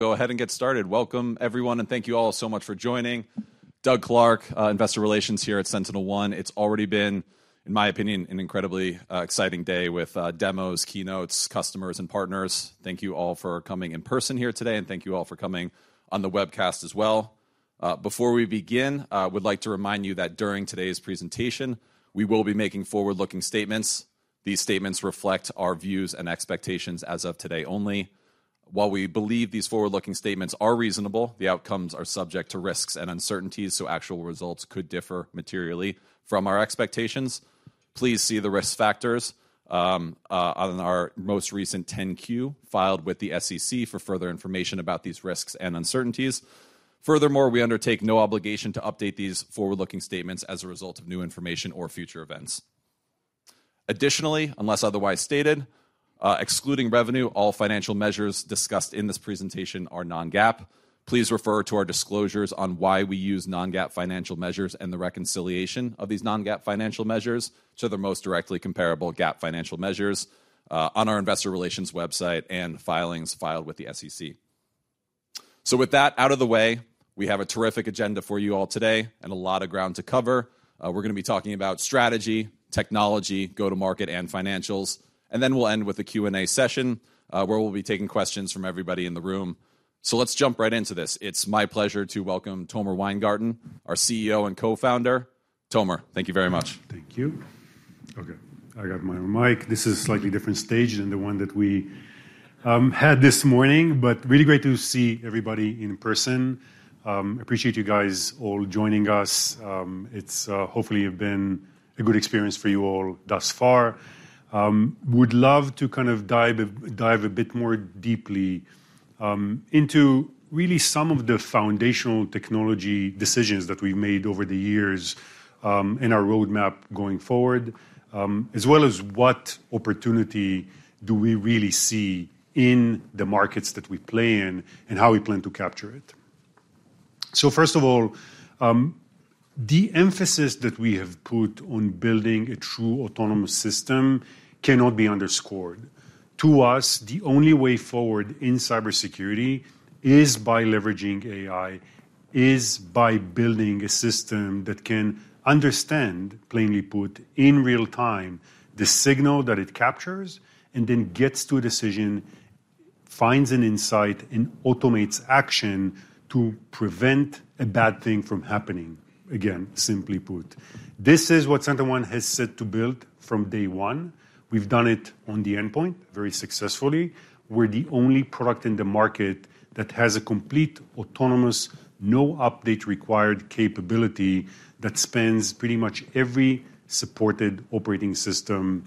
Go ahead and get started. Welcome, everyone, and thank you all so much for joining. Doug Clark, investor relations here at SentinelOne. It's already been, in my opinion, an incredibly exciting day with demos, keynotes, customers, and partners. Thank you all for coming in person here today, and thank you all for coming on the webcast as well. Before we begin, I would like to remind you that during today's presentation, we will be making forward-looking statements. These statements reflect our views and expectations as of today only. While we believe these forward-looking statements are reasonable, the outcomes are subject to risks and uncertainties, so actual results could differ materially from our expectations. Please see the risk factors on our most recent 10-Q filed with the SEC for further information about these risks and uncertainties. Furthermore, we undertake no obligation to update these forward-looking statements as a result of new information or future events. Additionally, unless otherwise stated, excluding revenue, all financial measures discussed in this presentation are non-GAAP. Please refer to our disclosures on why we use non-GAAP financial measures and the reconciliation of these non-GAAP financial measures to the most directly comparable GAAP financial measures, on our investor relations website and filings filed with the SEC, so with that out of the way, we have a terrific agenda for you all today and a lot of ground to cover. We're gonna be talking about strategy, technology, go-to-market, and financials, and then we'll end with a Q&A session, where we'll be taking questions from everybody in the room, so let's jump right into this. It's my pleasure to welcome Tomer Weingarten, our CEO and co-founder. Tomer, thank you very much. Thank you. Okay, I got my mic. This is a slightly different stage than the one that we had this morning, but really great to see everybody in person. Appreciate you guys all joining us. It's hopefully been a good experience for you all thus far. Would love to kind of dive a bit more deeply into really some of the foundational technology decisions that we've made over the years in our roadmap going forward, as well as what opportunity do we really see in the markets that we play in and how we plan to capture it, so first of all, the emphasis that we have put on building a true autonomous system cannot be underscored. To us, the only way forward in cybersecurity is by leveraging AI, is by building a system that can understand, plainly put, in real time, the signal that it captures and then gets to a decision, finds an insight, and automates action to prevent a bad thing from happening. Again, simply put, this is what SentinelOne has set to build from day one. We've done it on the Endpoint very successfully. We're the only product in the market that has a complete, autonomous, no update required capability that spans pretty much every supported operating system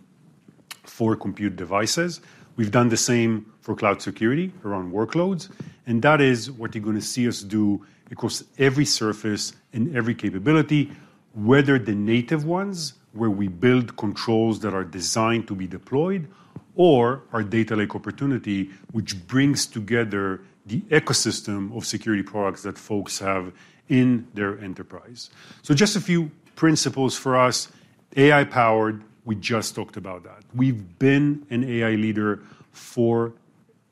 for compute devices. We've done the same for Cloud Security around workloads, and that is what you're gonna see us do across every surface and every capability, whether the native ones, where we build controls that are designed to be deployed, or our Data Lake opportunity, which brings together the ecosystem of security products that folks have in their Enterprise. So just a few principles for us. AI-powered, we just talked about that. We've been an AI leader for,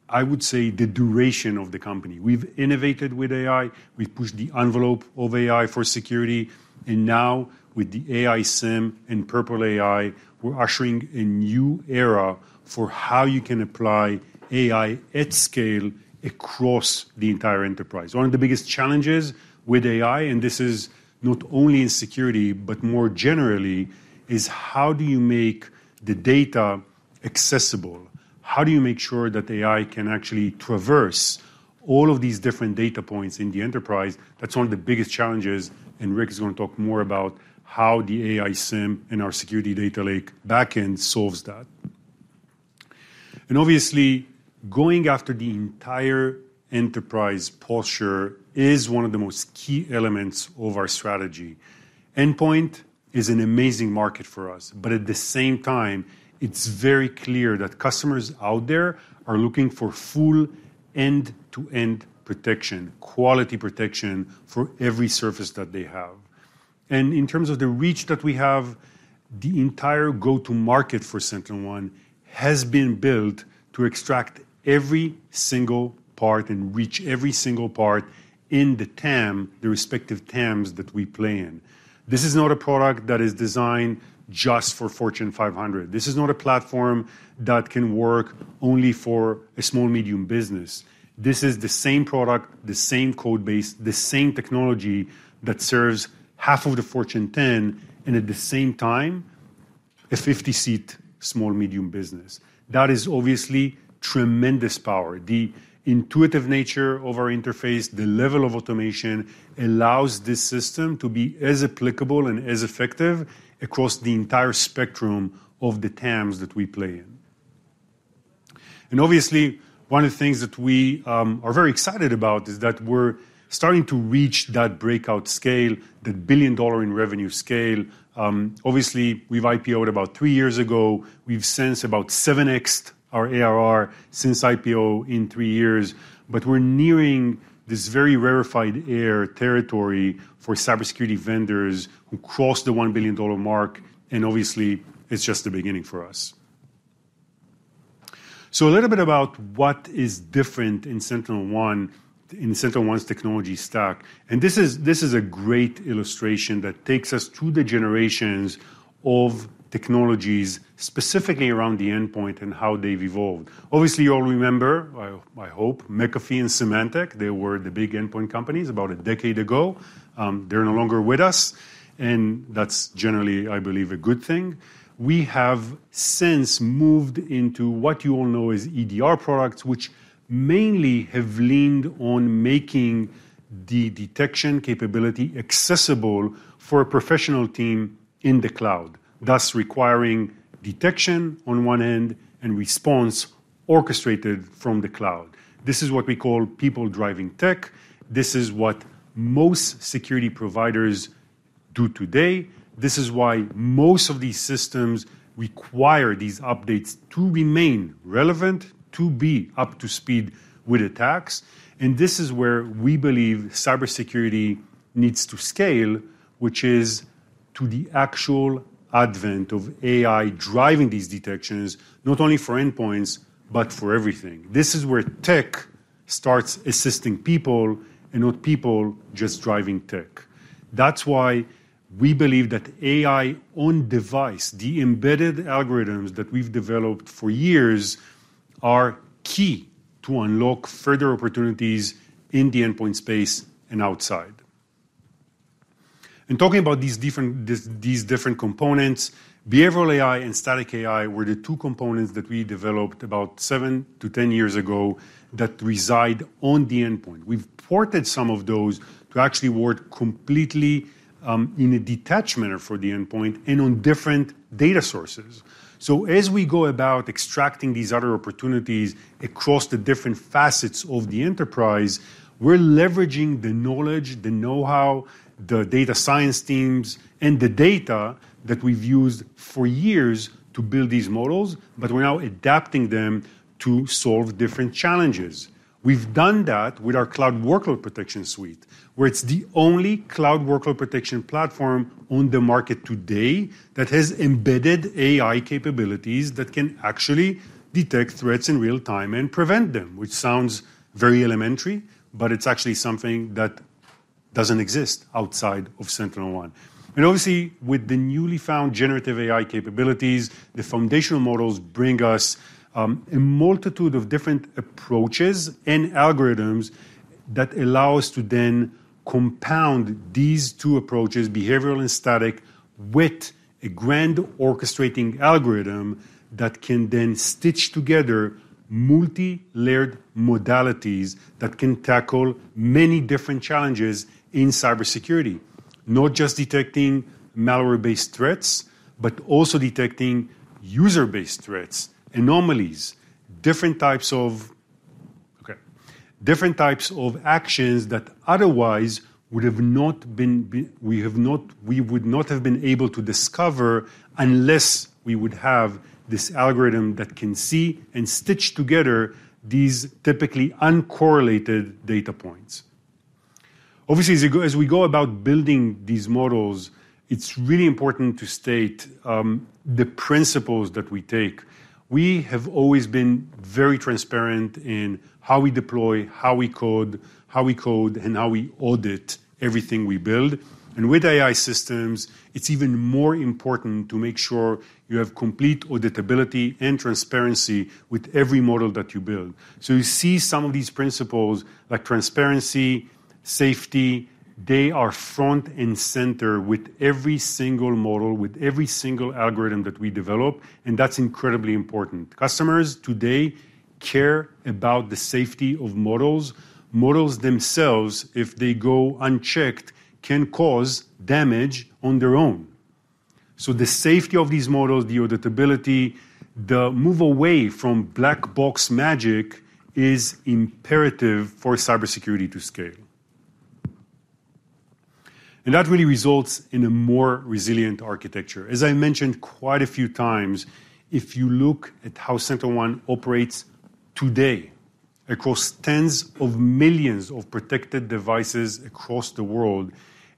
I would say, the duration of the company. We've innovated with AI, we've pushed the envelope of AI for security, and now with the AI SIEM and Purple AI, we're ushering a new era for how you can apply AI at scale across the entire Enterprise. One of the biggest challenges with AI, and this is not only in security, but more generally, is how do you make the data accessible? How do you make sure that AI can actually traverse all of these different data points in the Enterprise? That's one of the biggest challenges, and Ric is gonna talk more about how the AI SIEM and our security Data Lake backend solves that, and obviously, going after the entire Enterprise posture is one of the most key elements of our strategy. Endpoint is an amazing market for us, but at the same time, it's very clear that customers out there are looking for full end-to-end protection, quality protection for every surface that they have, and in terms of the reach that we have, the entire go-to-market for SentinelOne has been built to extract every single part and reach every single part in the TAM, the respective TAMs that we play in. This is not a product that is designed just for Fortune 500. This is not a platform that can work only for a small, medium business. This is the same product, the same code base, the same technology that serves half of the Fortune 10 and at the same time, a 50-seat small, medium business. That is obviously tremendous power. The intuitive nature of our interface, the level of automation, allows this system to be as applicable and as effective across the entire spectrum of the TAMs that we play in, and obviously, one of the things that we are very excited about is that we're starting to reach that breakout scale, that $1 billion in revenue scale. Obviously, we've IPO'd about three years ago. We've since about 7x'd our ARR since IPO in three years, but we're nearing this very rarefied air territory for cybersecurity vendors who cross the $1 billion mark, and obviously, it's just the beginning for us. A little bit about what is different in SentinelOne, in SentinelOne's technology stack. This is a great illustration that takes us through the generations of technologies, specifically around the Endpoint and how they've evolved. Obviously, you all remember. I hope McAfee and Symantec, they were the big Endpoint companies about a decade ago. They're no longer with us, and that's generally, I believe, a good thing. We have since moved into what you all know as EDR products, which mainly have leaned on making the detection capability accessible for a professional team in the Cloud, thus requiring detection on one end and response orchestrated from the Cloud. This is what we call people-driving tech. This is what most security providers do today. This is why most of these systems require these updates to remain relevant, to be up to speed with attacks. And this is where we believe cybersecurity needs to scale, which is to the actual advent of AI driving these detections, not only for Endpoints, but for everything. This is where tech starts assisting people and not people just driving tech. That's why we believe that AI on device, the embedded algorithms that we've developed for years, are key to unlock further opportunities in the Endpoint space and outside. Talking about these different components, behavioral AI and static AI were the two components that we developed about 7-10 years ago that reside on the Endpoint. We've ported some of those to actually work completely in a detachment for the Endpoint and on different data sources. As we go about extracting these other opportunities across the different facets of the Enterprise, we're leveraging the knowledge, the know-how, the data science teams, and the data that we've used for years to build these models, but we're now adapting them to solve different challenges. We've done that with our Cloud workload protection suite, where it's the only Cloud workload protection platform on the market today that has embedded AI capabilities that can actually detect threats in real time and prevent them, which sounds very elementary, but it's actually something that doesn't exist outside of SentinelOne. And obviously, with the newly found generative AI capabilities, the foundational models bring us a multitude of different approaches and algorithms that allow us to then compound these two approaches, behavioral and static, with a grand orchestrating algorithm that can then stitch together multi-layered modalities that can tackle many different challenges in cybersecurity. Not just detecting malware-based threats, but also detecting user-based threats, anomalies, different types of... Okay. Different types of actions that otherwise would have not been, we would not have been able to discover unless we would have this algorithm that can see and stitch together these typically uncorrelated data points. Obviously, as we go about building these models, it's really important to state the principles that we take. We have always been very transparent in how we deploy, how we code, and how we audit everything we build. And with AI systems, it's even more important to make sure you have complete auditability and transparency with every model that you build. So you see some of these principles, like transparency, safety, they are front and center with every single model, with every single algorithm that we develop, and that's incredibly important. Customers today care about the safety of models. Models themselves, if they go unchecked, can cause damage on their own. So the safety of these models, the auditability, the move away from black box magic, is imperative for cybersecurity to scale. And that really results in a more resilient architecture. As I mentioned quite a few times, if you look at how SentinelOne operates today across tens of millions of protected devices across the world,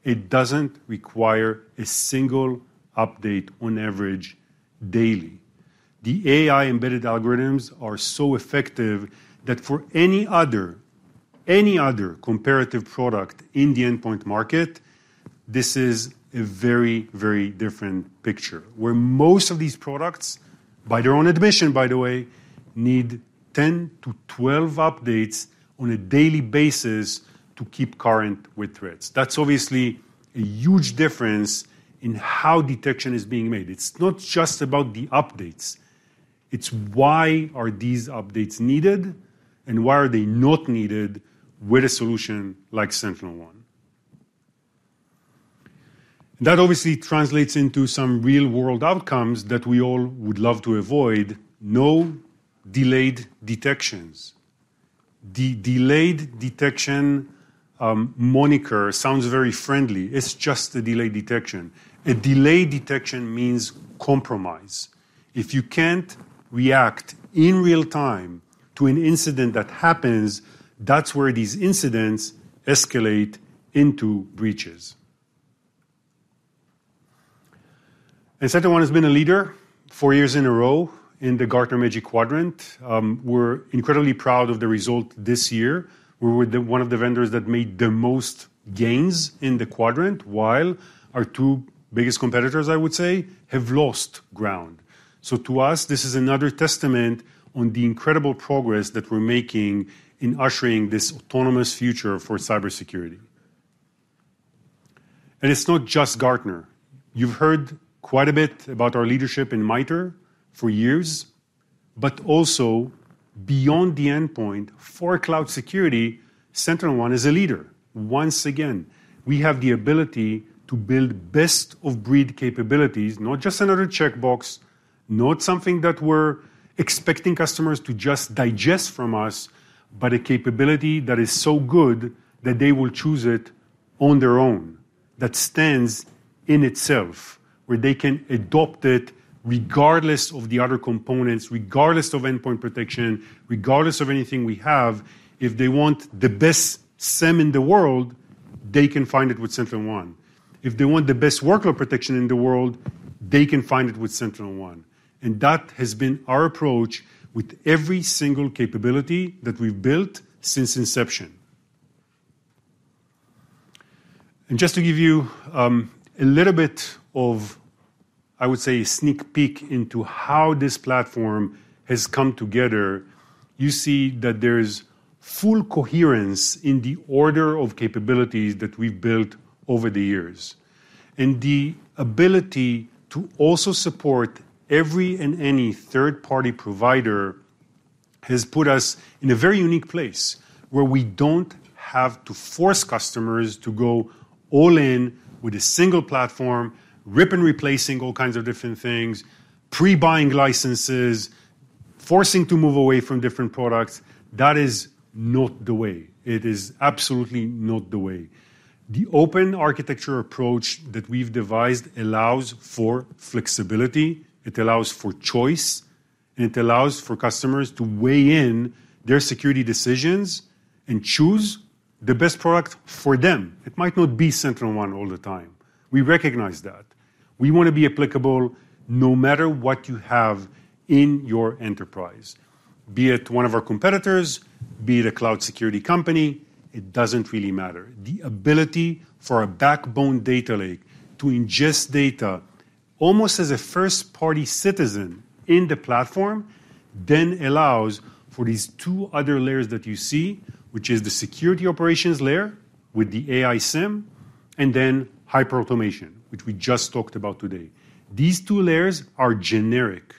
it doesn't require a single update on average daily. The AI embedded algorithms are so effective that for any other, any other comparative product in the Endpoint market, this is a very, very different picture, where most of these products, by their own admission, by the way, need 10-12 updates on a daily basis to keep current with threats. That's obviously a huge difference in how detection is being made. It's not just about the updates, it's why are these updates needed and why are they not needed with a solution like SentinelOne? That obviously translates into some real-world outcomes that we all would love to avoid. No delayed detections. The delayed detection moniker sounds very friendly. It's just a delayed detection. A delayed detection means compromise. If you can't react in real time to an incident that happens, that's where these incidents escalate into breaches. And SentinelOne has been a leader four years in a row in the Gartner Magic Quadrant. We're incredibly proud of the result this year. We were the one of the vendors that made the most gains in the quadrant, while our two biggest competitors, I would say, have lost ground. So to us, this is another testament on the incredible progress that we're making in ushering this autonomous future for cybersecurity. And it's not just Gartner. You've heard quite a bit about our leadership in MITRE for years, but also beyond the Endpoint for Cloud Security, SentinelOne is a leader. Once again, we have the ability to build best of breed capabilities, not just another checkbox, not something that we're expecting customers to just digest from us, but a capability that is so good that they will choose it on their own, that stands in itself, where they can adopt it regardless of the other components, regardless of Endpoint protection, regardless of anything we have. If they want the best SIEM in the world, they can find it with SentinelOne. If they want the best workload protection in the world, they can find it with SentinelOne, and that has been our approach with every single capability that we've built since inception. And just to give you, a little bit of, I would say, a sneak peek into how this platform has come together, you see that there's full coherence in the order of capabilities that we've built over the years. And the ability to also support every and any third-party provider has put us in a very unique place, where we don't have to force customers to go all in with a single platform, rip and replacing all kinds of different things, pre-buying licenses, forcing to move away from different products. That is not the way. It is absolutely not the way. The open architecture approach that we've devised allows for flexibility, it allows for choice, and it allows for customers to weigh in their security decisions and choose the best product for them. It might not be SentinelOne all the time. We recognize that. We want to be applicable no matter what you have in your Enterprise, be it one of our competitors, be it a Cloud Security company, it doesn't really matter. The ability for a backbone Data Lake to ingest data almost as a first-class citizen in the platform, then allows for these two other layers that you see, which is the security operations layer with the AI SIEM, and hyperautomation, which we just talked about today. These two layers are generic.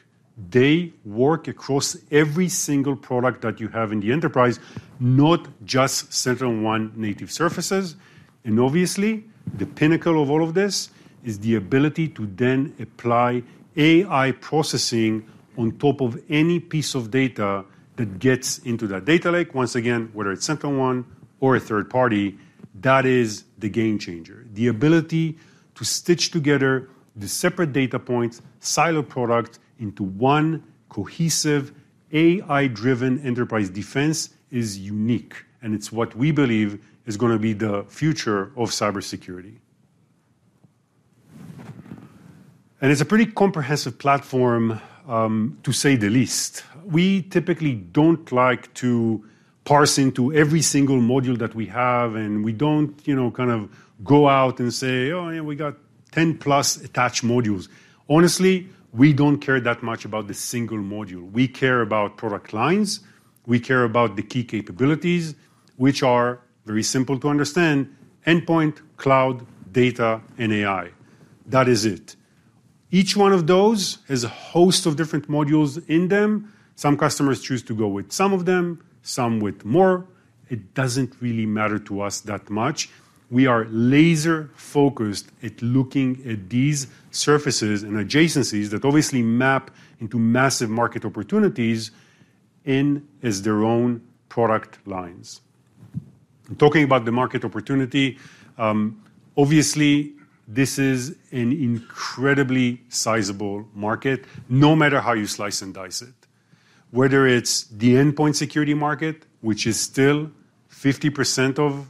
They work across every single product that you have in the Enterprise, not just SentinelOne native surfaces. And obviously, the pinnacle of all of this is the ability to then apply AI processing on top of any piece of data that gets into that Data Lake. Once again, whether it's SentinelOne or a third party, that is the game changer. The ability to stitch together the separate data points, silo product into one cohesive, AI-driven Enterprise defense is unique, and it's what we believe is gonna be the future of cybersecurity, and it's a pretty comprehensive platform, to say the least. We typically don't like to parse into every single module that we have, and we don't, you know, kind of go out and say, "Oh, yeah, we got 10+ attached modules." Honestly, we don't care that much about the single module. We care about product lines, we care about the key capabilities, which are very simple to understand: Endpoint, Cloud, data, and AI, that is it. Each one of those has a host of different modules in them. Some customers choose to go with some of them, some with more. It doesn't really matter to us that much. We are laser focused at looking at these surfaces and adjacencies that obviously map into massive market opportunities in as their own product lines. Talking about the market opportunity, obviously, this is an incredibly sizable market, no matter how you slice and dice it. Whether it's the Endpoint security market, which is still 50%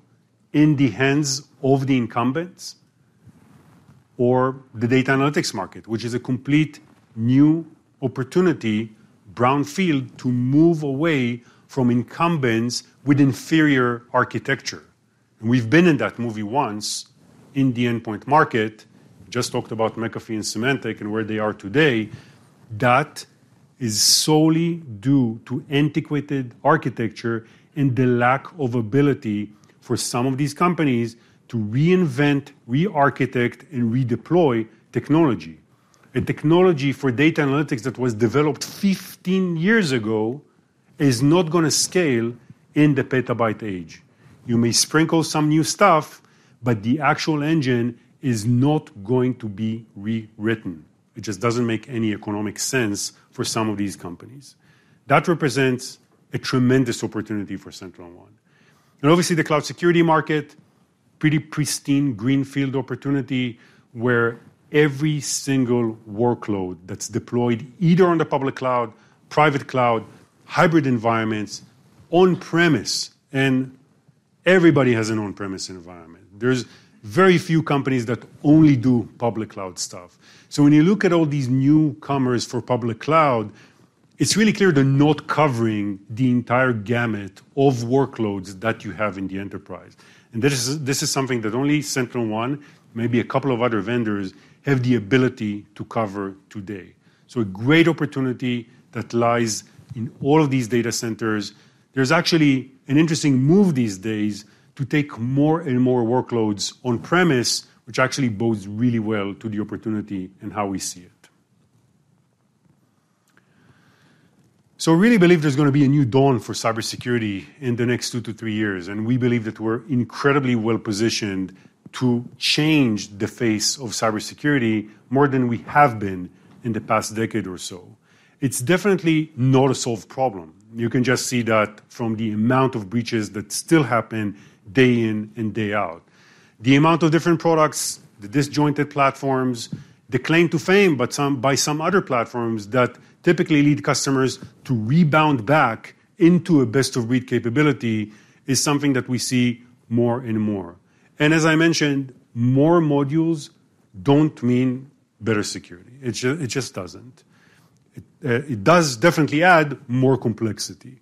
in the hands of the incumbents, or the data analytics market, which is a complete new opportunity, brownfield, to move away from incumbents with inferior architecture. We've been in that movie once in the Endpoint market. Just talked about McAfee and Symantec and where they are today. That is solely due to antiquated architecture and the lack of ability for some of these companies to reinvent, re-architect, and redeploy technology. A technology for data analytics that was developed 15 years ago is not gonna scale in the petabyte age. You may sprinkle some new stuff, but the actual engine is not going to be rewritten. It just doesn't make any economic sense for some of these companies. That represents a tremendous opportunity for SentinelOne. And obviously, the Cloud Security market, pretty pristine greenfield opportunity, where every single workload that's deployed, either on the public Cloud, private Cloud, hybrid environments, on-premise and everybody has an on-premise environment. There's very few companies that only do public Cloud stuff. So when you look at all these newcomers for public Cloud, it's really clear they're not covering the entire gamut of workloads that you have in the Enterprise. And this is something that only SentinelOne, maybe a couple of other vendors, have the ability to cover today. So a great opportunity that lies in all of these data centers. There's actually an interesting move these days to take more and more workloads on-premise, which actually bodes really well to the opportunity and how we see it. So we really believe there's gonna be a new dawn for cybersecurity in the next two to three years, and we believe that we're incredibly well-positioned to change the face of cybersecurity more than we have been in the past decade or so. It's definitely not a solved problem. You can just see that from the amount of breaches that still happen day in and day out. The amount of different products, the disjointed platforms, the claim to fame by some other platforms that typically lead customers to rebound back into a best-of-breed capability, is something that we see more and more, and as I mentioned, more modules don't mean better security. It just doesn't. It does definitely add more complexity.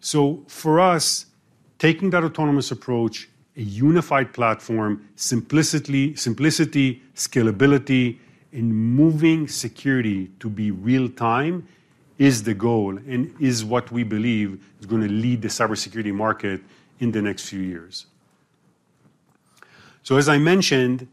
So for us, taking that autonomous approach, a unified platform, simplicity, simplicity, scalability, and moving security to be real time is the goal and is what we believe is gonna lead the cybersecurity market in the next few years. As I mentioned,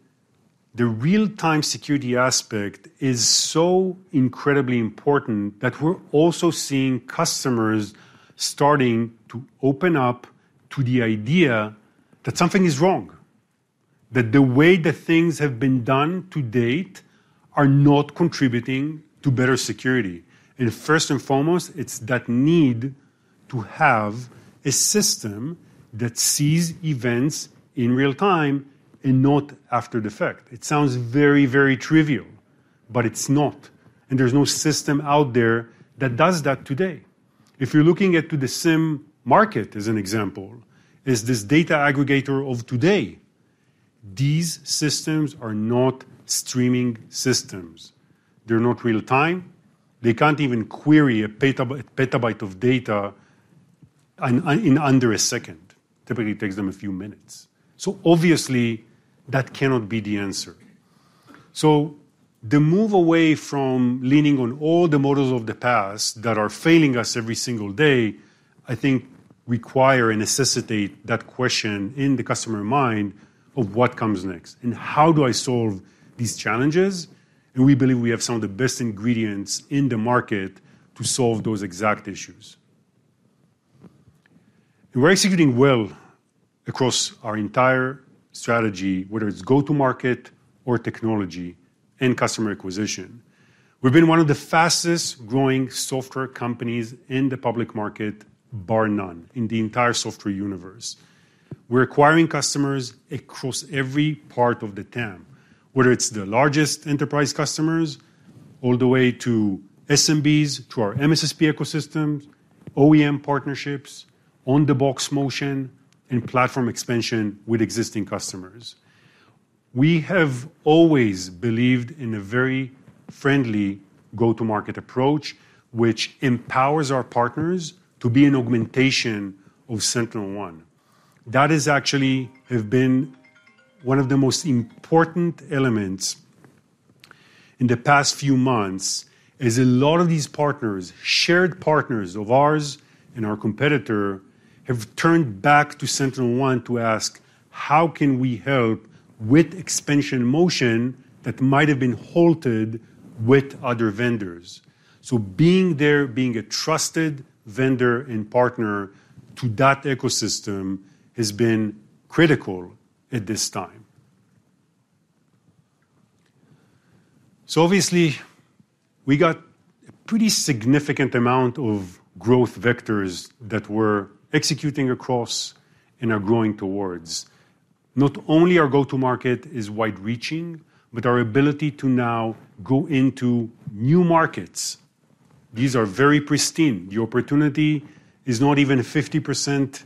the real-time security aspect is so incredibly important that we're also seeing customers starting to open up to the idea that something is wrong, that the way that things have been done to date are not contributing to better security. First and foremost, it's that need to have a system that sees events in real time and not after the fact. It sounds very, very trivial, but it's not, and there's no system out there that does that today. If you're looking at the SIEM market, as an example, this data aggregator of today, these systems are not streaming systems. They're not real time. They can't even query a petabyte of data in under a second. Typically, it takes them a few minutes, so obviously, that cannot be the answer, so the move away from leaning on all the models of the past that are failing us every single day, I think, require and necessitate that question in the customer mind of what comes next, and how do I solve these challenges, and we believe we have some of the best ingredients in the market to solve those exact issues. We're executing well across our entire strategy, whether it's go-to-market or technology and customer acquisition. We've been one of the fastest-growing software companies in the public market, bar none, in the entire software universe. We're acquiring customers across every part of the TAM, whether it's the largest Enterprise customers, all the way to SMBs, to our MSSP ecosystems, OEM partnerships, on-the-box motion, and platform expansion with existing customers. We have always believed in a very friendly go-to-market approach, which empowers our partners to be an augmentation of SentinelOne. That is actually have been one of the most important elements in the past few months, is a lot of these partners, shared partners of ours and our competitor, have turned back to SentinelOne to ask, "How can we help with expansion motion that might have been halted with other vendors?" So being there, being a trusted vendor and partner to that ecosystem, has been critical at this time. So obviously, we got a pretty significant amount of growth vectors that we're executing across and are growing towards. Not only our go-to-market is wide reaching, but our ability to now go into new markets. These are very pristine. The opportunity is not even 50%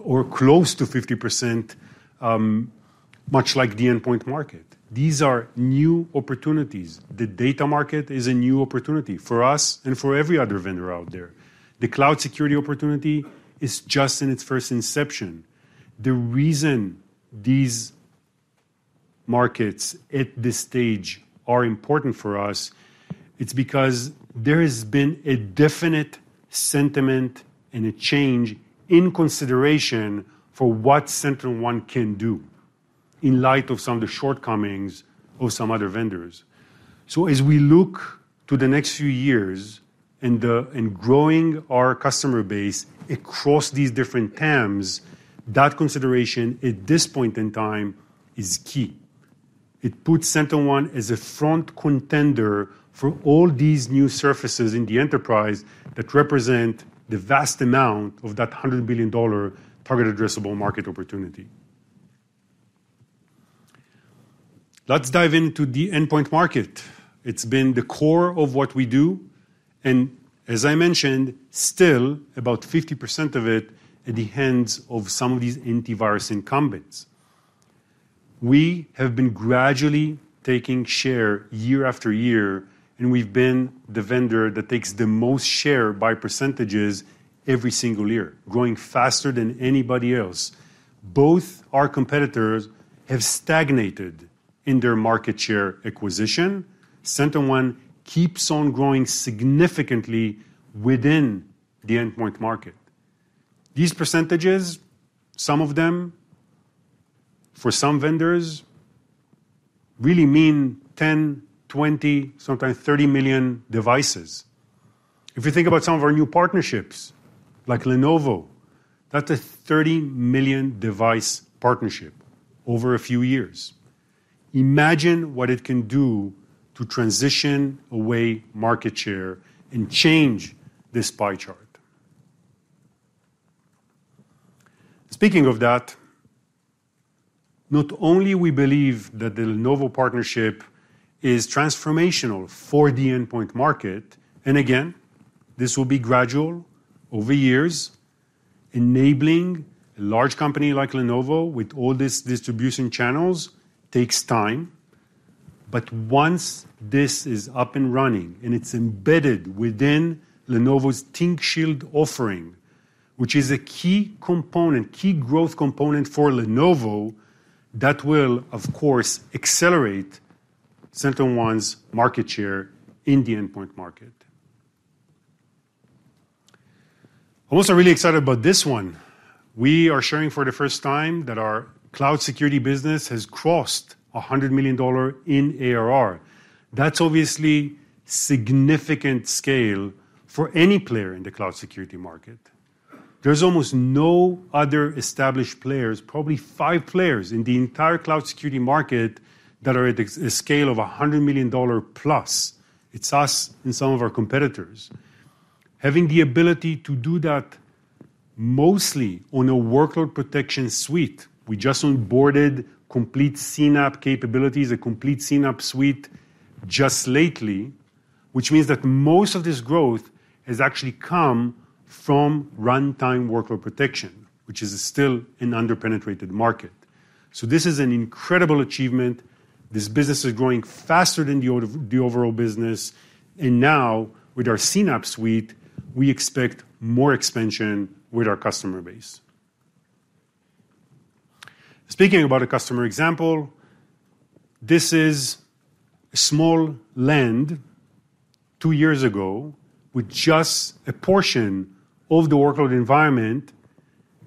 or close to 50%, much like the Endpoint market. These are new opportunities. The data market is a new opportunity for us and for every other vendor out there. The Cloud Security opportunity is just in its first inception. The reason these markets at this stage are important for us, it's because there has been a definite sentiment and a change in consideration for what SentinelOne can do in light of some of the shortcomings of some other vendors. So as we look to the next few years and, in growing our customer base across these different TAMs, that consideration at this point in time is key. It puts SentinelOne as a front contender for all these new surfaces in the Enterprise that represent the vast amount of that $100 billion target addressable market opportunity. Let's dive into the Endpoint market. It's been the core of what we do, and as I mentioned, still about 50% of it at the hands of some of these antivirus incumbents. We have been gradually taking share year after year, and we've been the vendor that takes the most share by percentages every single year, growing faster than anybody else. Both our competitors have stagnated in their market share acquisition. SentinelOne keeps on growing significantly within the Endpoint market. These percentages, some of them, for some vendors, really mean 10 million, 20 million, sometimes 30 million devices. If you think about some of our new partnerships, like Lenovo, that's a 30 million device partnership over a few years. Imagine what it can do to transition away market share and change this pie chart. Speaking of that, not only we believe that the Lenovo partnership is transformational for the Endpoint market, and again, this will be gradual over years, enabling a large company like Lenovo with all these distribution channels takes time. But once this is up and running, and it's embedded within Lenovo's ThinkShield offering, which is a key component, key growth component for Lenovo, that will, of course, accelerate SentinelOne's market share in the Endpoint market. I'm also really excited about this one. We are sharing for the first time that our Cloud Security business has crossed $100 million in ARR. That's obviously significant scale for any player in the Cloud Security market. There's almost no other established players, probably five players in the entire Cloud Security market, that are at a scale of $100+ million. It's us and some of our competitors. Having the ability to do that mostly on a workload protection suite, we just onboarded complete CNAPP capabilities, a complete CNAPP suite just lately, which means that most of this growth has actually come from runtime workload protection, which is still an under-penetrated market. So this is an incredible achievement. This business is growing faster than the overall business, and now, with our CNAPP suite, we expect more expansion with our customer base. Speaking about a customer example, this is a small land two years ago, with just a portion of the workload environment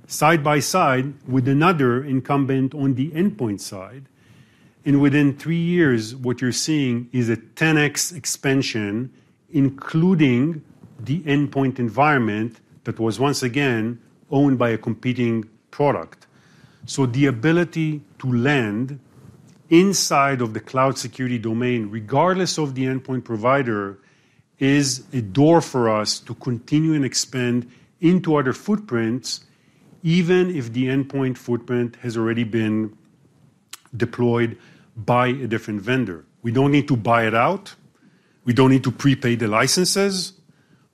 side by side with another incumbent on the Endpoint side, and within three years, what you're seeing is a 10x expansion, including the Endpoint environment that was once again owned by a competing product. So the ability to land inside of the Cloud Security domain, regardless of the Endpoint provider, is a door for us to continue and expand into other footprints, even if the Endpoint footprint has already been deployed by a different vendor. We don't need to buy it out, we don't need to pre-pay the licenses,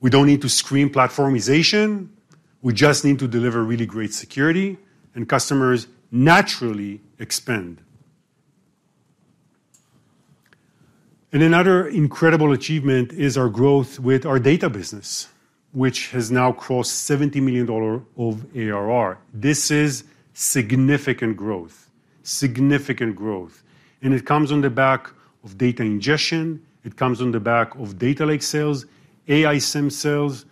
we don't need to screw platformization, we just need to deliver really great security, and customers naturally expand. And another incredible achievement is our growth with our data business, which has now crossed $70 million of ARR. This is significant growth. Significant growth. And it comes on the back of data ingestion, it comes on the back of Data Lake sales, AI SIEM sales.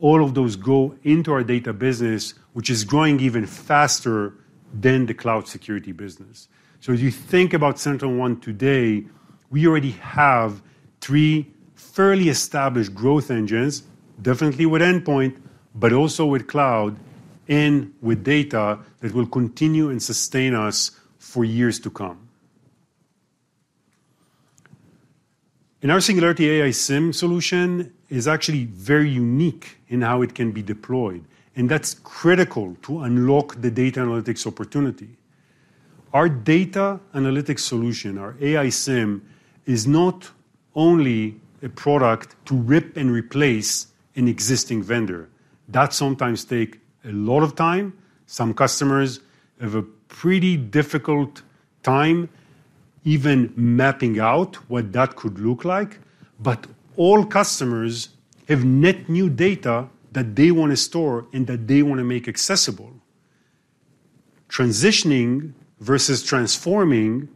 All of those go into our data business, which is growing even faster than the Cloud Security business. So as you think about SentinelOne today, we already have three fairly established growth engines, definitely with Endpoint, but also with Cloud and with data, that will continue and sustain us for years to come. And our Singularity AI SIEM solution is actually very unique in how it can be deployed, and that's critical to unlock the data analytics opportunity. Our data analytics solution, our AI SIEM, is not only a product to rip and replace an existing vendor. That sometimes take a lot of time. Some customers have a pretty difficult time even mapping out what that could look like. All customers have net new data that they wanna store and that they wanna make accessible. Transitioning versus transforming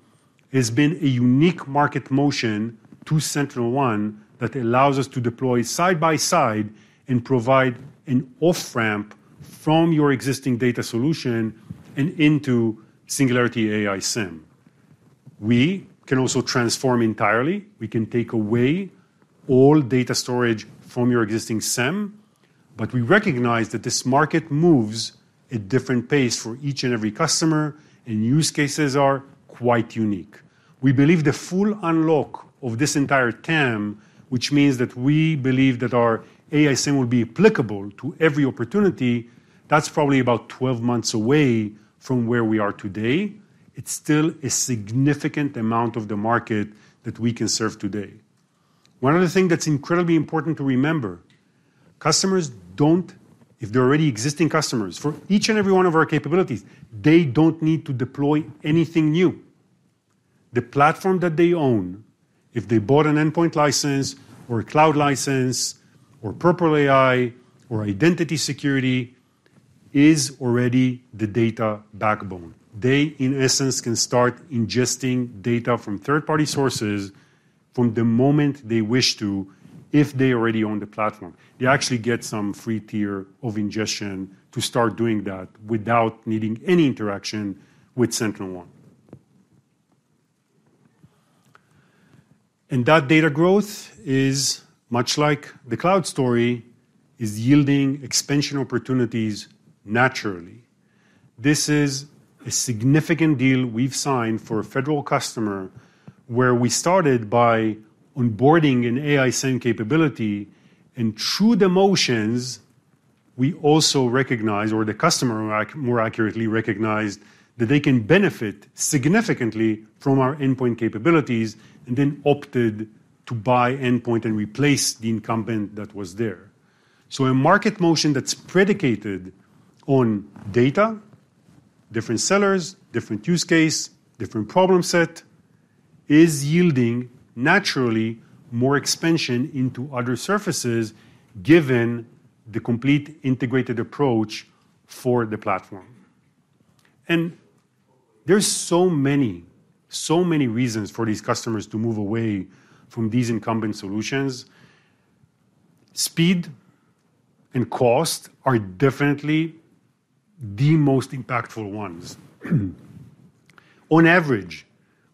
has been a unique market motion to SentinelOne that allows us to deploy side by side and provide an off-ramp from your existing data solution and into Singularity AI SIEM. We can also transform entirely. We can take away all data storage from your existing SIEM, but we recognize that this market moves at different pace for each and every customer, and use cases are quite unique. We believe the full unlock of this entire TAM, which means that we believe that our AI SIEM will be applicable to every opportunity… That's probably about 12 months away from where we are today. It's still a significant amount of the market that we can serve today. One other thing that's incredibly important to remember: customers don't, if they're already existing customers, for each and every one of our capabilities, need to deploy anything new. The platform that they own, if they bought an Endpoint license or a Cloud license or Purple AI or Identity Security, is already the data backbone. They, in essence, can start ingesting data from third-party sources from the moment they wish to, if they already own the platform. They actually get some free tier of ingestion to start doing that without needing any interaction with SentinelOne, and that data growth is, much like the Cloud story, yielding expansion opportunities naturally. This is a significant deal we've signed for a federal customer, where we started by onboarding an AI SIEM capability, and through the motions, we also recognized, or the customer more accurately recognized, that they can benefit significantly from our Endpoint capabilities, and then opted to buy Endpoint and replace the incumbent that was there, so a market motion that's predicated on data, different sellers, different use case, different problem set, is yielding naturally more expansion into other surfaces, given the complete integrated approach for the platform, and there's so many, so many reasons for these customers to move away from these incumbent solutions. Speed and cost are definitely the most impactful ones. On average,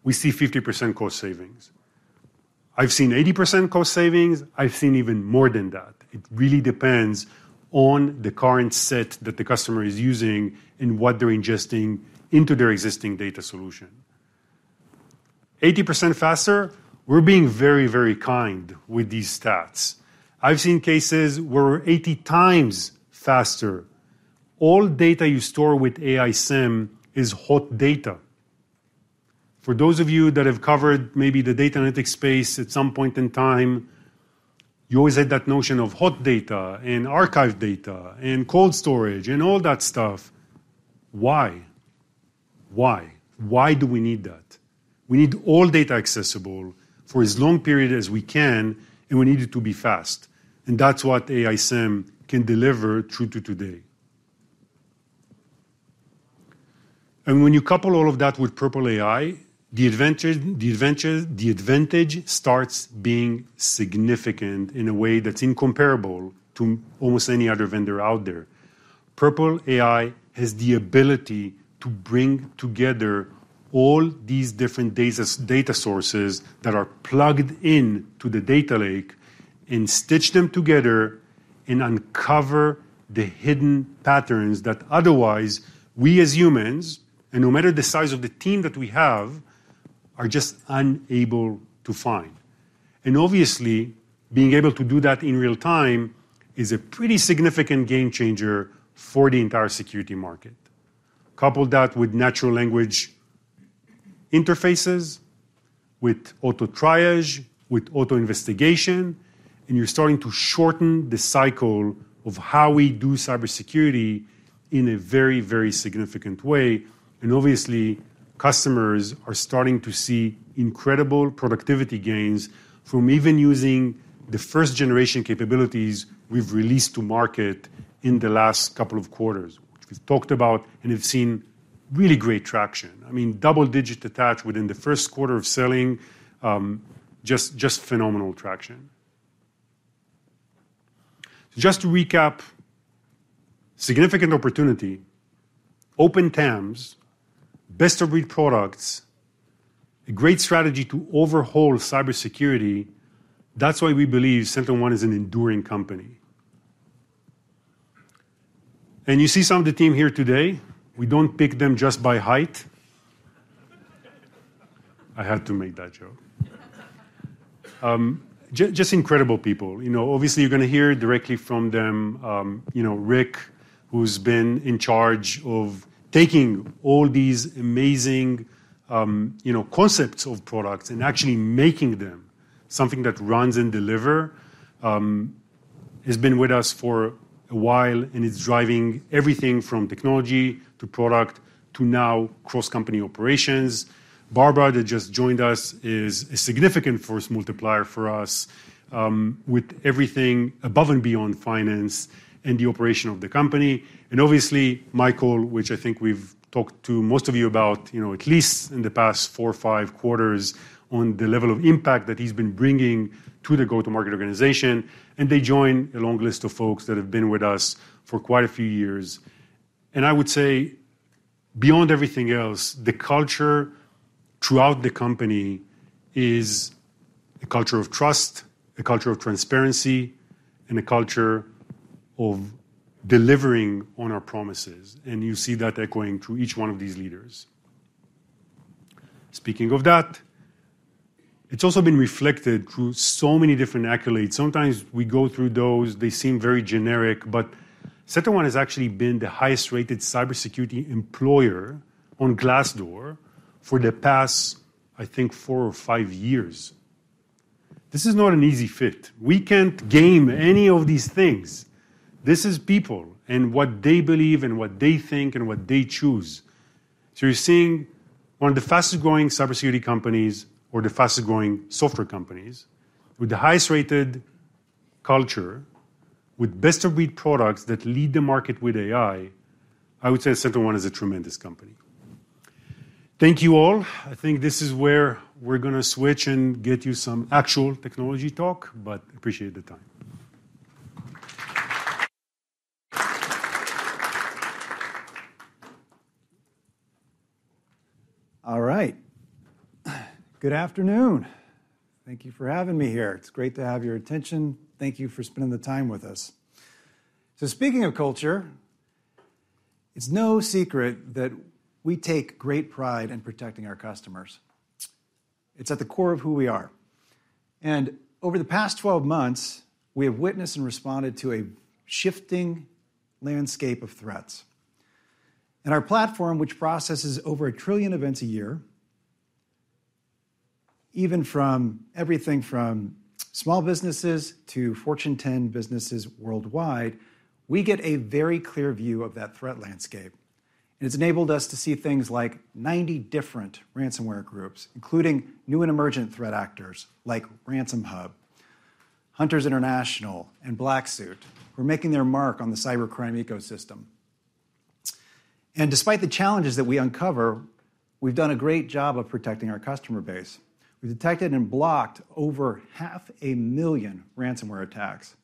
we see 50% cost savings. I've seen 80% cost savings, I've seen even more than that. It really depends on the current set that the customer is using and what they're ingesting into their existing data solution. 80% faster, we're being very, very kind with these stats. I've seen cases where we're 80x faster. All data you store with AI SIEM is hot data. For those of you that have covered maybe the data analytics space at some point in time, you always had that notion of hot data and archive data and cold storage and all that stuff. Why? Why? Why do we need that? We need all data accessible for as long period as we can, and we need it to be fast, and that's what AI SIEM can deliver true to today. And when you couple all of that with Purple AI, the advantage starts being significant in a way that's incomparable to almost any other vendor out there. Purple AI has the ability to bring together all these different data sources that are plugged into the Data Lake and stitch them together and uncover the hidden patterns that otherwise we, as humans, and no matter the size of the team that we have, are just unable to find. And obviously, being able to do that in real time is a pretty significant game changer for the entire security market. Couple that with natural language interfaces, with auto triage, with auto investigation, and you're starting to shorten the cycle of how we do cybersecurity in a very, very significant way. And obviously, customers are starting to see incredible productivity gains from even using the first-generation capabilities we've released to market in the last couple of quarters, which we've talked about and have seen really great traction. I mean, double-digit attach within the first quarter of selling, just phenomenal traction. Just to recap, significant opportunity, open TAMs, best-of-breed products, a great strategy to overhaul cybersecurity. That's why we believe SentinelOne is an enduring company. And you see some of the team here today. We don't pick them just by height. I had to make that joke. Just incredible people. You know, obviously, you're gonna hear directly from them. You know, Ric, who's been in charge of taking all these amazing, you know, concepts of products and actually making them something that runs and deliver, he's been with us for a while, and he's driving everything from technology to product to now cross-company operations. Barbara, that just joined us, is a significant force multiplier for us, with everything above and beyond finance and the operation of the company. And obviously, Michael, which I think we've talked to most of you about, you know, at least in the past four to five quarters, on the level of impact that he's been bringing to the go-to-market organization, and they join a long list of folks that have been with us for quite a few years. And I would say, beyond everything else, the culture throughout the company is a culture of trust, a culture of transparency, and a culture of delivering on our promises, and you see that echoing through each one of these leaders. Speaking of that, it's also been reflected through so many different accolades. Sometimes we go through those, they seem very generic, but SentinelOne has actually been the highest-rated cybersecurity employer on Glassdoor for the past, I think, four or five years. This is not an easy fit. We can't game any of these things. This is people, and what they believe, and what they think, and what they choose. So you're seeing one of the fastest-growing cybersecurity companies, or the fastest-growing software companies, with the highest-rated culture, with best-of-breed products that lead the market with AI. I would say SentinelOne is a tremendous company. Thank you all. I think this is where we're gonna switch and get you some actual technology talk, but appreciate the time. All right. Good afternoon. Thank you for having me here. It's great to have your attention. Thank you for spending the time with us. So speaking of culture, it's no secret that we take great pride in protecting our customers. It's at the core of who we are, and over the past twelve months, we have witnessed and responded to a shifting landscape of threats. And our platform, which processes over a trillion events a year, even from everything from small businesses to Fortune 10 businesses worldwide, we get a very clear view of that threat landscape. And it's enabled us to see things like 90 different ransomware groups, including new and emergent threat actors like RansomHub, Hunters International, and BlackSuit, who are making their mark on the cybercrime ecosystem. And despite the challenges that we uncover, we've done a great job of protecting our customer base. We've detected and blocked over 500,000 ransomware attacks.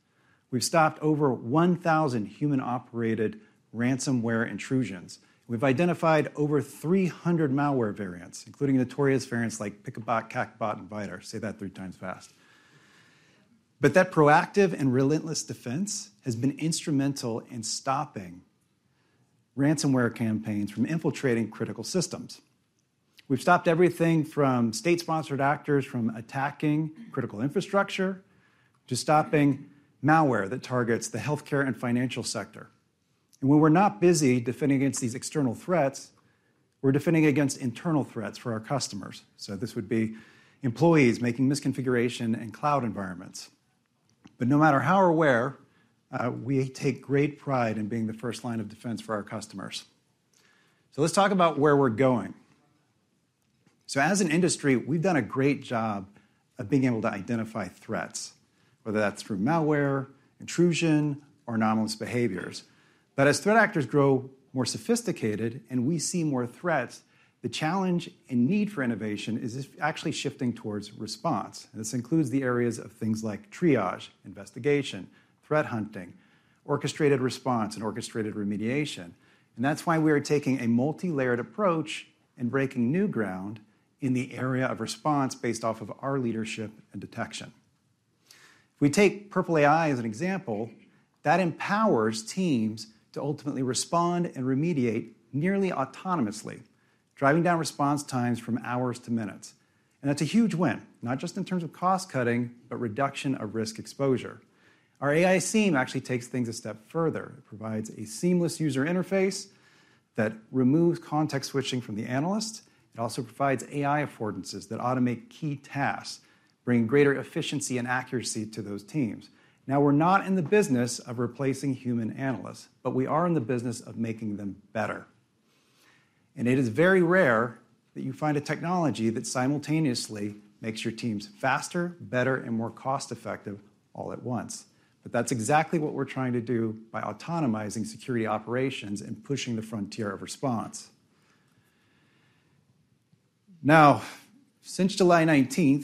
We've stopped over 1,000 human-operated ransomware intrusions. We've identified over 300 malware variants, including notorious variants like Pikabot, QakBot, and Vidar. Say that 3x fast. But that proactive and relentless defense has been instrumental in stopping ransomware campaigns from infiltrating critical systems. We've stopped everything from state-sponsored actors from attacking critical infrastructure, to stopping malware that targets the healthcare and financial sector. And when we're not busy defending against these external threats, we're defending against internal threats for our customers. So this would be employees making misconfiguration in Cloud environments. But no matter how or where, we take great pride in being the first line of defense for our customers. So let's talk about where we're going. As an industry, we've done a great job of being able to identify threats, whether that's through malware, intrusion, or anomalous behaviors. But as threat actors grow more sophisticated and we see more threats, the challenge and need for innovation is actually shifting towards response, and this includes the areas of things like triage, investigation, threat hunting, orchestrated response, and orchestrated remediation. That's why we are taking a multilayered approach and breaking new ground in the area of response based off of our leadership and detection. If we take Purple AI as an example, that empowers teams to ultimately respond and remediate nearly autonomously, driving down response times from hours to minutes. That's a huge win, not just in terms of cost-cutting, but reduction of risk exposure. Our AI SIEM actually takes things a step further. It provides a seamless user interface that removes context switching from the analyst. It also provides AI affordances that automate key tasks, bringing greater efficiency and accuracy to those teams. Now, we're not in the business of replacing human analysts, but we are in the business of making them better, and it is very rare that you find a technology that simultaneously makes your teams faster, better, and more cost-effective all at once, but that's exactly what we're trying to do by autonomizing security operations and pushing the frontier of response. Now, since July 19,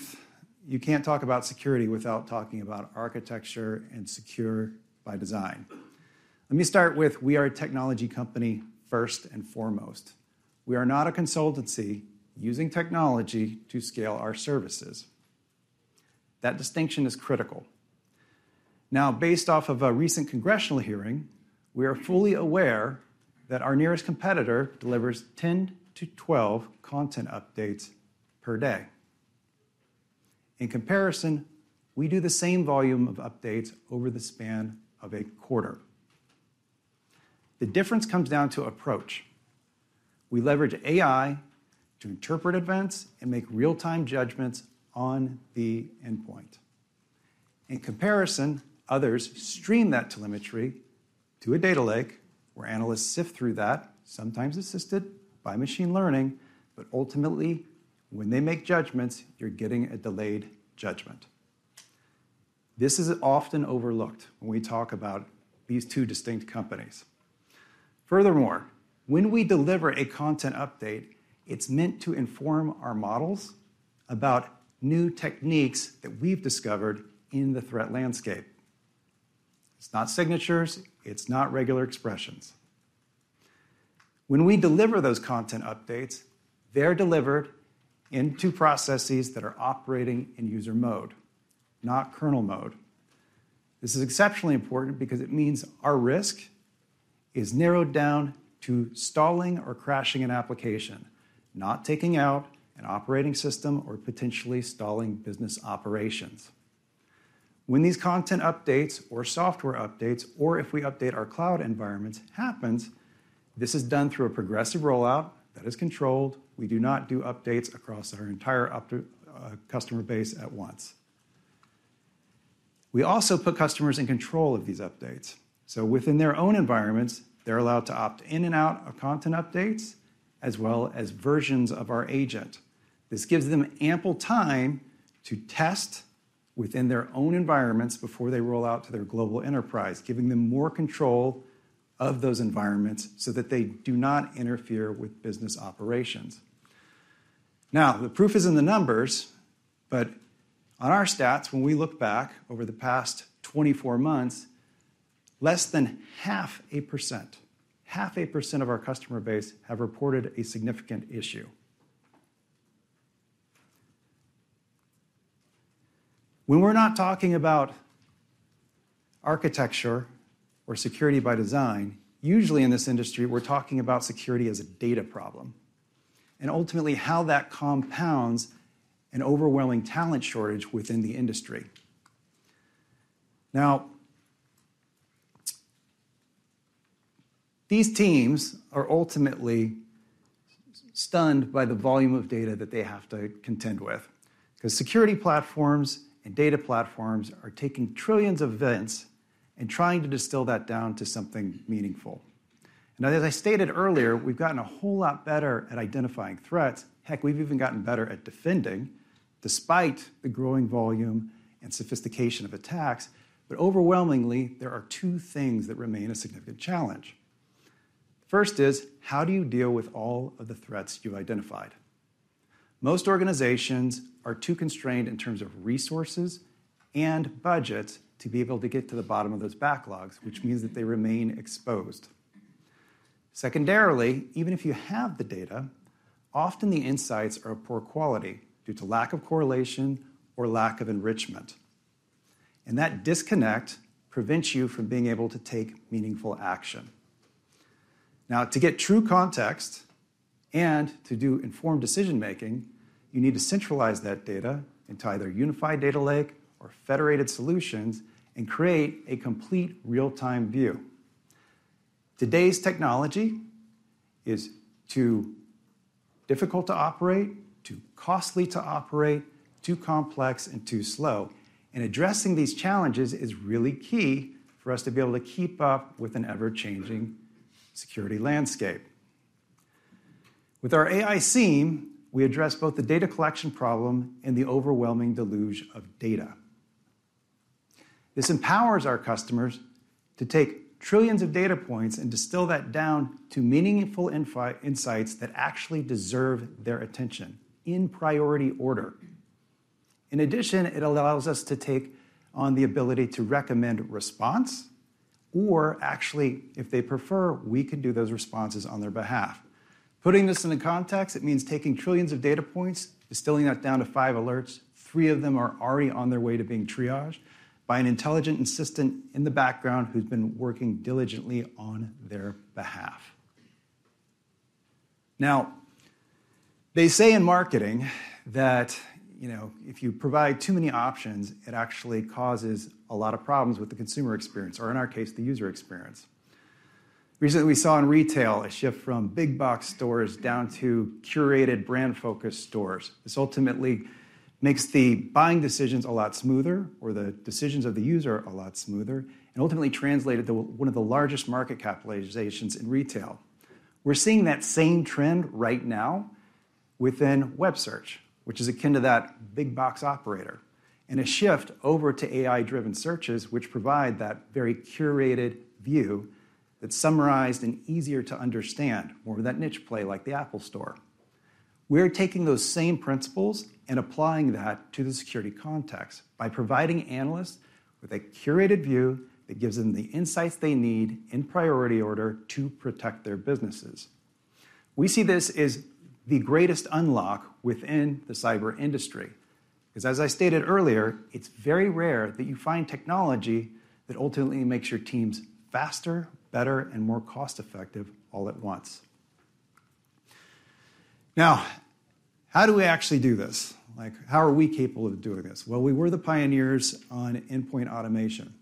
you can't talk about security without talking about architecture and secure by design. Let me start with, we are a technology company first and foremost. We are not a consultancy using technology to scale our services. That distinction is critical. Now, based off of a recent congressional hearing, we are fully aware that our nearest competitor delivers 10-12 content updates per day. In comparison, we do the same volume of updates over the span of a quarter. The difference comes down to approach. We leverage AI to interpret events and make real-time judgments on the Endpoint. In comparison, others stream that telemetry to a Data Lake, where analysts sift through that, sometimes assisted by machine learning, but ultimately, when they make judgments, you're getting a delayed judgment. This is often overlooked when we talk about these two distinct companies. Furthermore, when we deliver a content update, it's meant to inform our models about new techniques that we've discovered in the threat landscape. It's not signatures, it's not regular expressions. When we deliver those content updates, they're delivered in two processes that are operating in user mode, not kernel mode. This is exceptionally important because it means our risk is narrowed down to stalling or crashing an application, not taking out an operating system or potentially stalling business operations. When these content updates or software updates, or if we update our Cloud environments, happens, this is done through a progressive rollout that is controlled. We do not do updates across our entire customer base at once. We also put customers in control of these updates. So within their own environments, they're allowed to opt in and out of content updates, as well as versions of our Agent. This gives them ample time to test within their own environments before they roll out to their global Enterprise, giving them more control of those environments so that they do not interfere with business operations. Now, the proof is in the numbers, but on our stats, when we look back over the past 24 months, less than 0.5%, 0.5% of our customer base have reported a significant issue. When we're not talking about architecture or security by design, usually in this industry, we're talking about security as a data problem, and ultimately how that compounds an overwhelming talent shortage within the industry. Now, these teams are ultimately stunned by the volume of data that they have to contend with, 'cause security platforms and data platforms are taking trillions of events and trying to distill that down to something meaningful. Now, as I stated earlier, we've gotten a whole lot better at identifying threats. Heck, we've even gotten better at defending, despite the growing volume and sophistication of attacks. But overwhelmingly, there are two things that remain a significant challenge. First is, how do you deal with all of the threats you've identified? Most organizations are too constrained in terms of resources and budget to be able to get to the bottom of those backlogs, which means that they remain exposed. Secondarily, even if you have the data, often the insights are of poor quality due to lack of correlation or lack of enrichment, and that disconnect prevents you from being able to take meaningful action. Now, to get true context and to do informed decision-making, you need to centralize that data into either unified Data Lake or federated solutions and create a complete real-time view. Today's technology is too difficult to operate, too costly to operate, too complex, and too slow, and addressing these challenges is really key for us to be able to keep up with an ever-changing security landscape. With our AI SIEM, we address both the data collection problem and the overwhelming deluge of data. This empowers our customers to take trillions of data points and distill that down to meaningful insights that actually deserve their attention in priority order. In addition, it allows us to take on the ability to recommend response, or actually, if they prefer, we can do those responses on their behalf. Putting this into context, it means taking trillions of data points, distilling that down to five alerts. Three of them are already on their way to being triaged by an intelligent assistant in the background who's been working diligently on their behalf. Now, they say in marketing that, you know, if you provide too many options, it actually causes a lot of problems with the consumer experience, or in our case, the user experience. Recently, we saw in retail a shift from big-box stores down to curated, brand-focused stores. This ultimately makes the buying decisions a lot smoother, or the decisions of the user a lot smoother, and ultimately translated to one of the largest market capitalizations in retail. We're seeing that same trend right now within web search, which is akin to that big-box operator, and a shift over to AI-driven searches, which provide that very curated view that's summarized and easier to understand, more of that niche play like the Apple Store. We're taking those same principles and applying that to the security context by providing analysts with a curated view that gives them the insights they need in priority order to protect their businesses. We see this as the greatest unlock within the cyber industry, 'cause as I stated earlier, it's very rare that you find technology that ultimately makes your teams faster, better, and more cost-effective all at once. Now, how do we actually do this? Like, how are we capable of doing this? Well, we were the pioneers on Endpoint automation,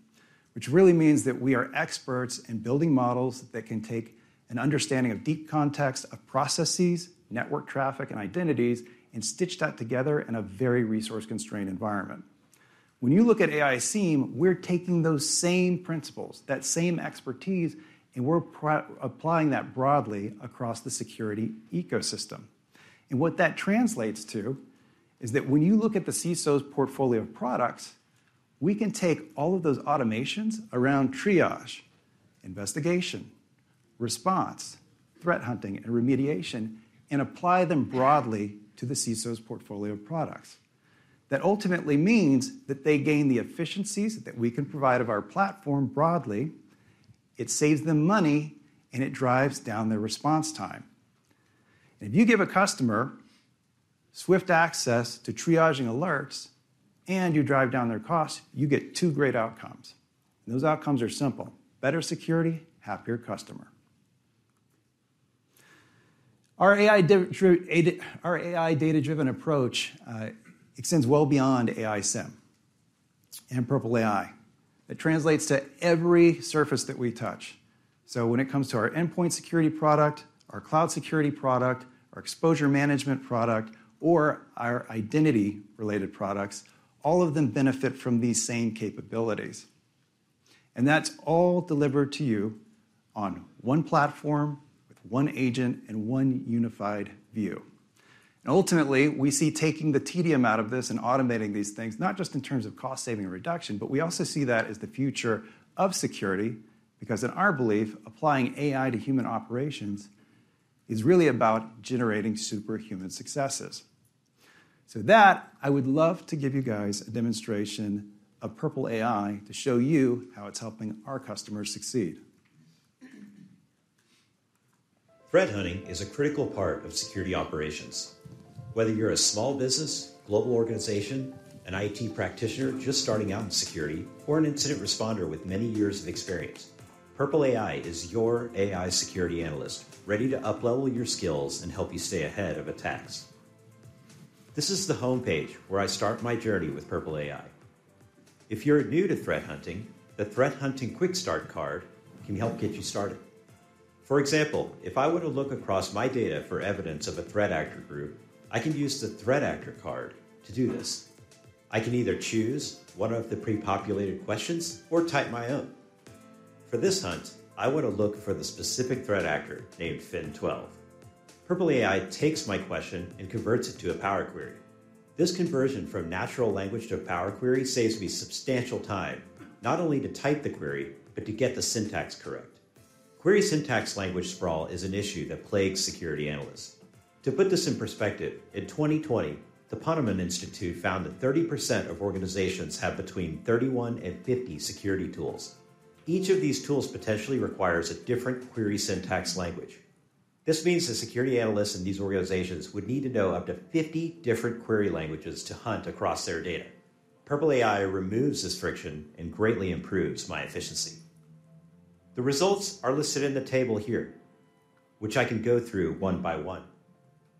which really means that we are experts in building models that can take an understanding of deep context of processes, network traffic, and identities, and stitch that together in a very resource-constrained environment. When you look at AI SIEM, we're taking those same principles, that same expertise, and we're applying that broadly across the security ecosystem. And what that translates to is that when you look at the CISO's portfolio of products, we can take all of those automations around triage, investigation, response, threat hunting, and remediation, and apply them broadly to the CISO's portfolio of products. That ultimately means that they gain the efficiencies that we can provide of our platform broadly, it saves them money, and it drives down their response time, and if you give a customer swift access to triaging alerts and you drive down their costs, you get two great outcomes, and those outcomes are simple: better security, happier customer. Our AI data-driven approach extends well beyond AI SIEM and Purple AI. It translates to every surface that we touch. So when it comes to our Endpoint security product, our Cloud Security product, our Exposure Management product, or our Identity-Related products, all of them benefit from these same capabilities, and that's all delivered to you on one platform, with one agent and one unified view. And ultimately, we see taking the tedium out of this and automating these things, not just in terms of cost saving reduction, but we also see that as the future of security, because in our belief, applying AI to human operations is really about generating superhuman successes. So that, I would love to give you guys a demonstration of Purple AI to show you how it's helping our customers succeed. Threat hunting is a critical part of security operations. Whether you're a small business, global organization, an IT practitioner just starting out in security, or an incident responder with many years of experience, Purple AI is your AI security analyst, ready to uplevel your skills and help you stay ahead of attacks. This is the homepage where I start my journey with Purple AI. If you're new to threat hunting, the Threat Hunting Quickstart card can help get you started. For example, if I were to look across my data for evidence of a threat actor group, I can use the Threat Actor card to do this. I can either choose one of the pre-populated questions or type my own. For this hunt, I want to look for the specific threat actor named FIN12. Purple AI takes my question and converts it to a PowerQuery. This conversion from natural language to a PowerQuery saves me substantial time, not only to type the query, but to get the syntax correct. Query syntax language sprawl is an issue that plagues security analysts. To put this in perspective, in 2020, the Ponemon Institute found that 30% of organizations have between 31 and 50 security tools. Each of these tools potentially requires a different query syntax language. This means the security analysts in these organizations would need to know up to 50 different query languages to hunt across their data. Purple AI removes this friction and greatly improves my efficiency. The results are listed in the table here, which I can go through one by one.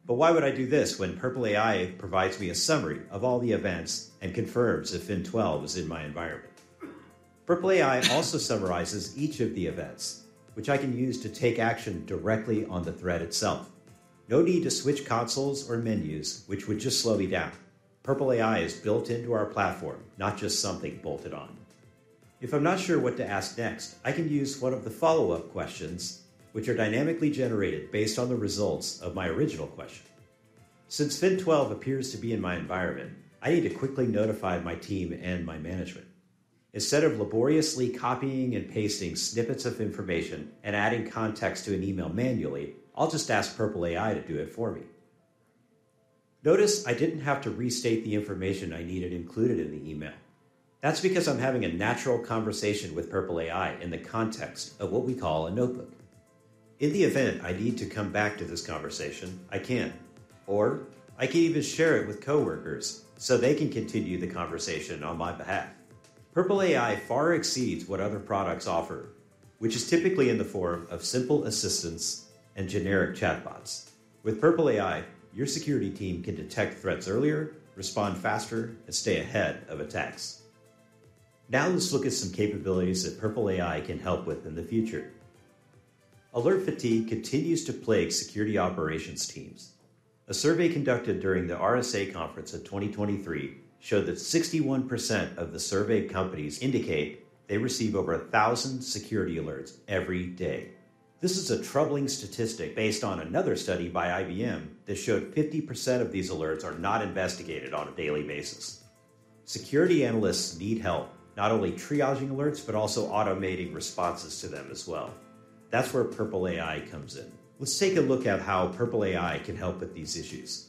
But why would I do this when Purple AI provides me a summary of all the events and confirms if FIN12 is in my environment? Purple AI also summarizes each of the events, which I can use to take action directly on the threat itself. No need to switch consoles or menus, which would just slow me down. Purple AI is built into our platform, not just something bolted on. If I'm not sure what to ask next, I can use one of the follow-up questions, which are dynamically generated based on the results of my original question. Since FIN12 appears to be in my environment, I need to quickly notify my team and my management. Instead of laboriously copying and pasting snippets of information and adding context to an email manually, I'll just ask Purple AI to do it for me. Notice I didn't have to restate the information I needed included in the email. That's because I'm having a natural conversation with Purple AI in the context of what we call a notebook. In the event I need to come back to this conversation, I can, or I can even share it with coworkers so they can continue the conversation on my behalf. Purple AI far exceeds what other products offer, which is typically in the form of simple assistance and generic chatbots. With Purple AI, your security team can detect threats earlier, respond faster, and stay ahead of attacks. Now let's look at some capabilities that Purple AI can help with in the future. Alert fatigue continues to plague security operations teams. A survey conducted during the RSA Conference of 2023 showed that 61% of the surveyed companies indicate they receive over 1,000 security alerts every day. This is a troubling statistic based on another study by IBM that showed 50% of these alerts are not investigated on a daily basis. Security analysts need help not only triaging alerts, but also automating responses to them as well. That's where Purple AI comes in. Let's take a look at how Purple AI can help with these issues.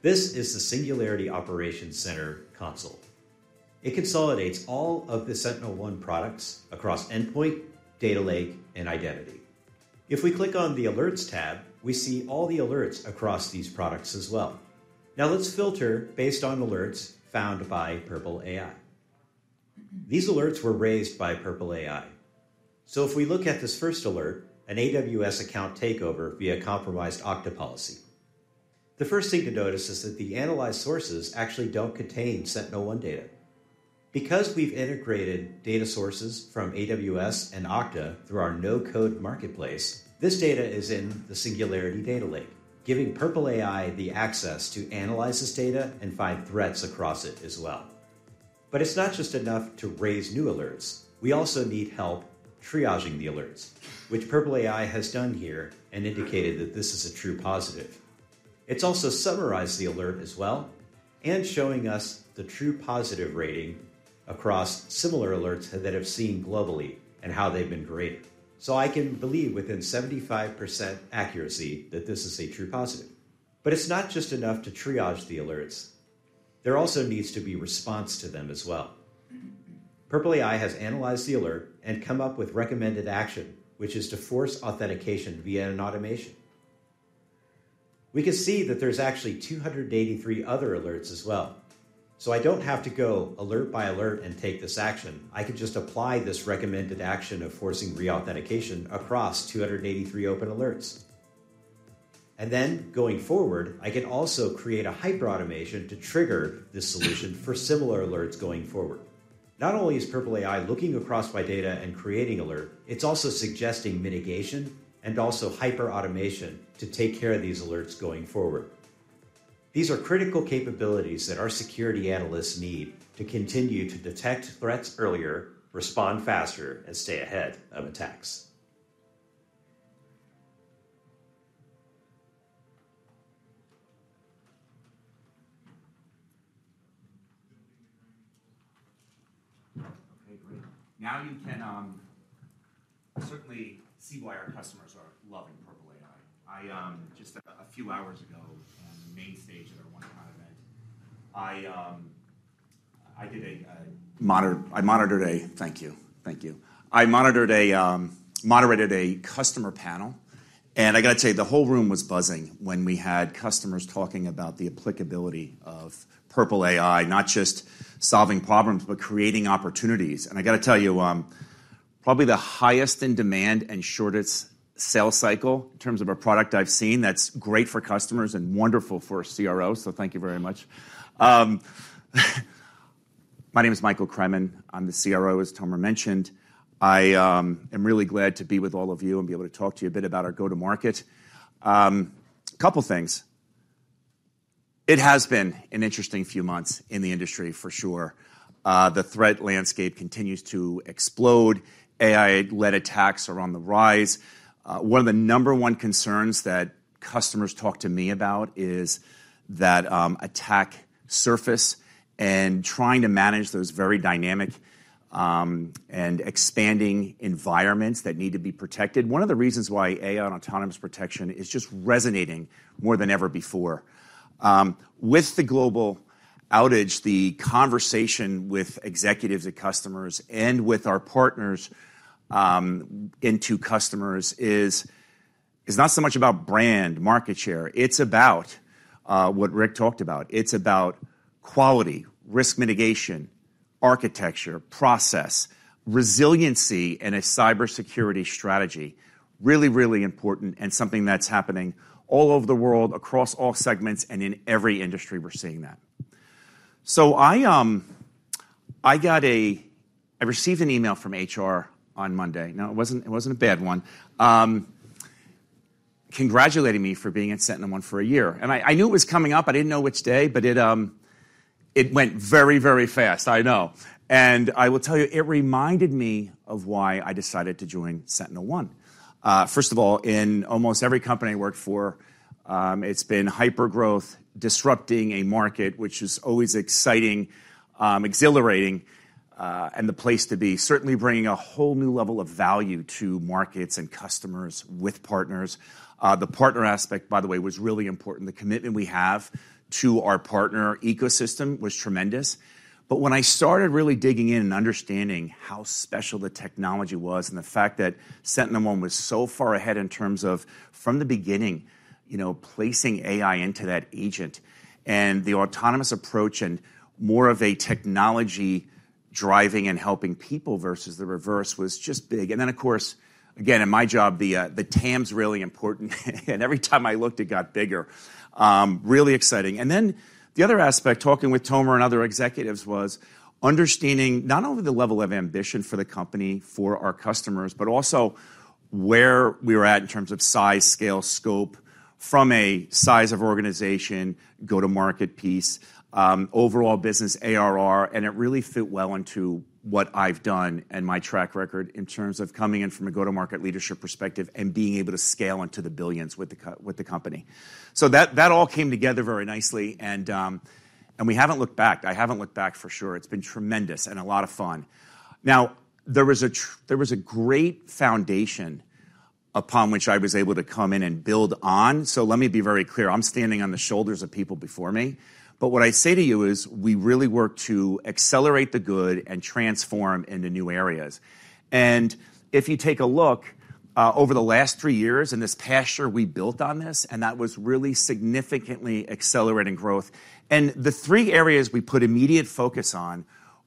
This is the Singularity Operations Center console. It consolidates all of the SentinelOne products across Endpoint, Data Lake, and Identity. If we click on the alerts tab, we see all the alerts across these products as well. Now let's filter based on alerts found by Purple AI. These alerts were raised by Purple AI. So if we look at this first alert, an AWS account takeover via compromised Okta policy, the first thing to notice is that the analyzed sources actually don't contain SentinelOne data. Because we've integrated data sources from AWS and Okta through our no-code marketplace, this data is in the Singularity Data Lake, giving Purple AI the access to analyze this data and find threats across it as well. But it's not just enough to raise new alerts. We also need help triaging the alerts, which Purple AI has done here and indicated that this is a true positive. It's also summarized the alert as well, and showing us the true positive rating across similar alerts that we've seen globally and how they've been graded. So I can believe within 75% accuracy that this is a true positive. But it's not just enough to triage the alerts, there also needs to be response to them as well. Purple AI has analyzed the alert and come up with recommended action, which is to force authentication via an automation. We can see that there's actually 283 other alerts as well. So I don't have to go alert by alert and take this action. I can just apply this recommended action of forcing reauthentication across 283 open alerts. And then going forward, I can also create hyperautomation to trigger this solution for similar alerts going forward. Not only is Purple AI looking across my data and creating alert, it's also suggesting mitigation and hyperautomation to take care of these alerts going forward. These are critical capabilities that our security analysts need to continue to detect threats earlier, respond faster, and stay ahead of attacks. Okay, great. Now you can certainly see why our customers are loving Purple AI. I just a few hours ago on the main stage at our OneCon event, I moderated a customer panel, and I got to tell you, the whole room was buzzing when we had customers talking about the applicability of Purple AI, not just solving problems, but creating opportunities, and I got to tell you, probably the highest in demand and shortest sales cycle in terms of a product I've seen, that's great for customers and wonderful for CROs, so thank you very much. My name is Michael Cremen. I'm the CRO, as Tomer mentioned. I am really glad to be with all of you and be able to talk to you a bit about our go-to-market. A couple things. It has been an interesting few months in the industry for sure. The threat landscape continues to explode. AI-led attacks are on the rise. One of the number one concerns that customers talk to me about is that, attack surface and trying to manage those very dynamic, and expanding environments that need to be protected. One of the reasons why AI and autonomous protection is just resonating more than ever before. With the global outage, the conversation with executives and customers and with our partners, into customers is not so much about brand, market share, it's about, what Ric talked about. It's about quality, risk mitigation, architecture, process, resiliency, and a cybersecurity strategy. Really, really important and something that's happening all over the world, across all segments, and in every industry, we're seeing that. I received an email from HR on Monday. No, it wasn't, it wasn't a bad one, congratulating me for being at SentinelOne for a year, and I knew it was coming up. I didn't know which day, but it went very, very fast. I know. And I will tell you, it reminded me of why I decided to join SentinelOne. First of all, in almost every company I worked for, it's been hypergrowth, disrupting a market, which is always exciting, exhilarating, and the place to be. Certainly bringing a whole new level of value to markets and customers with partners. The partner aspect, by the way, was really important. The commitment we have to our partner ecosystem was tremendous. But when I started really digging in and understanding how special the technology was, and the fact that SentinelOne was so far ahead in terms of from the beginning, you know, placing AI into that agent and the autonomous approach and more of a technology driving and helping people versus the reverse, was just big. And then, of course, again, in my job, the TAM's really important, and every time I looked, it got bigger. Really exciting and then the other aspect, talking with Tomer and other executives, was understanding not only the level of ambition for the company, for our customers, but also where we were at in terms of size, scale, scope from a size of organization, go-to-market piece, overall business ARR, and it really fit well into what I've done and my track record in terms of coming in from a go-to-market leadership perspective and being able to scale into the billions with the company. So that all came together very nicely, and we haven't looked back. I haven't looked back for sure. It's been tremendous and a lot of fun. Now, there was a great foundation upon which I was able to come in and build on. So let me be very clear. I'm standing on the shoulders of people before me. But what I say to you is, we really work to accelerate the good and transform into new areas. And if you take a look over the last three years, in this past year, we built on this, and that was really significantly accelerating growth. And the three areas we put immediate focus on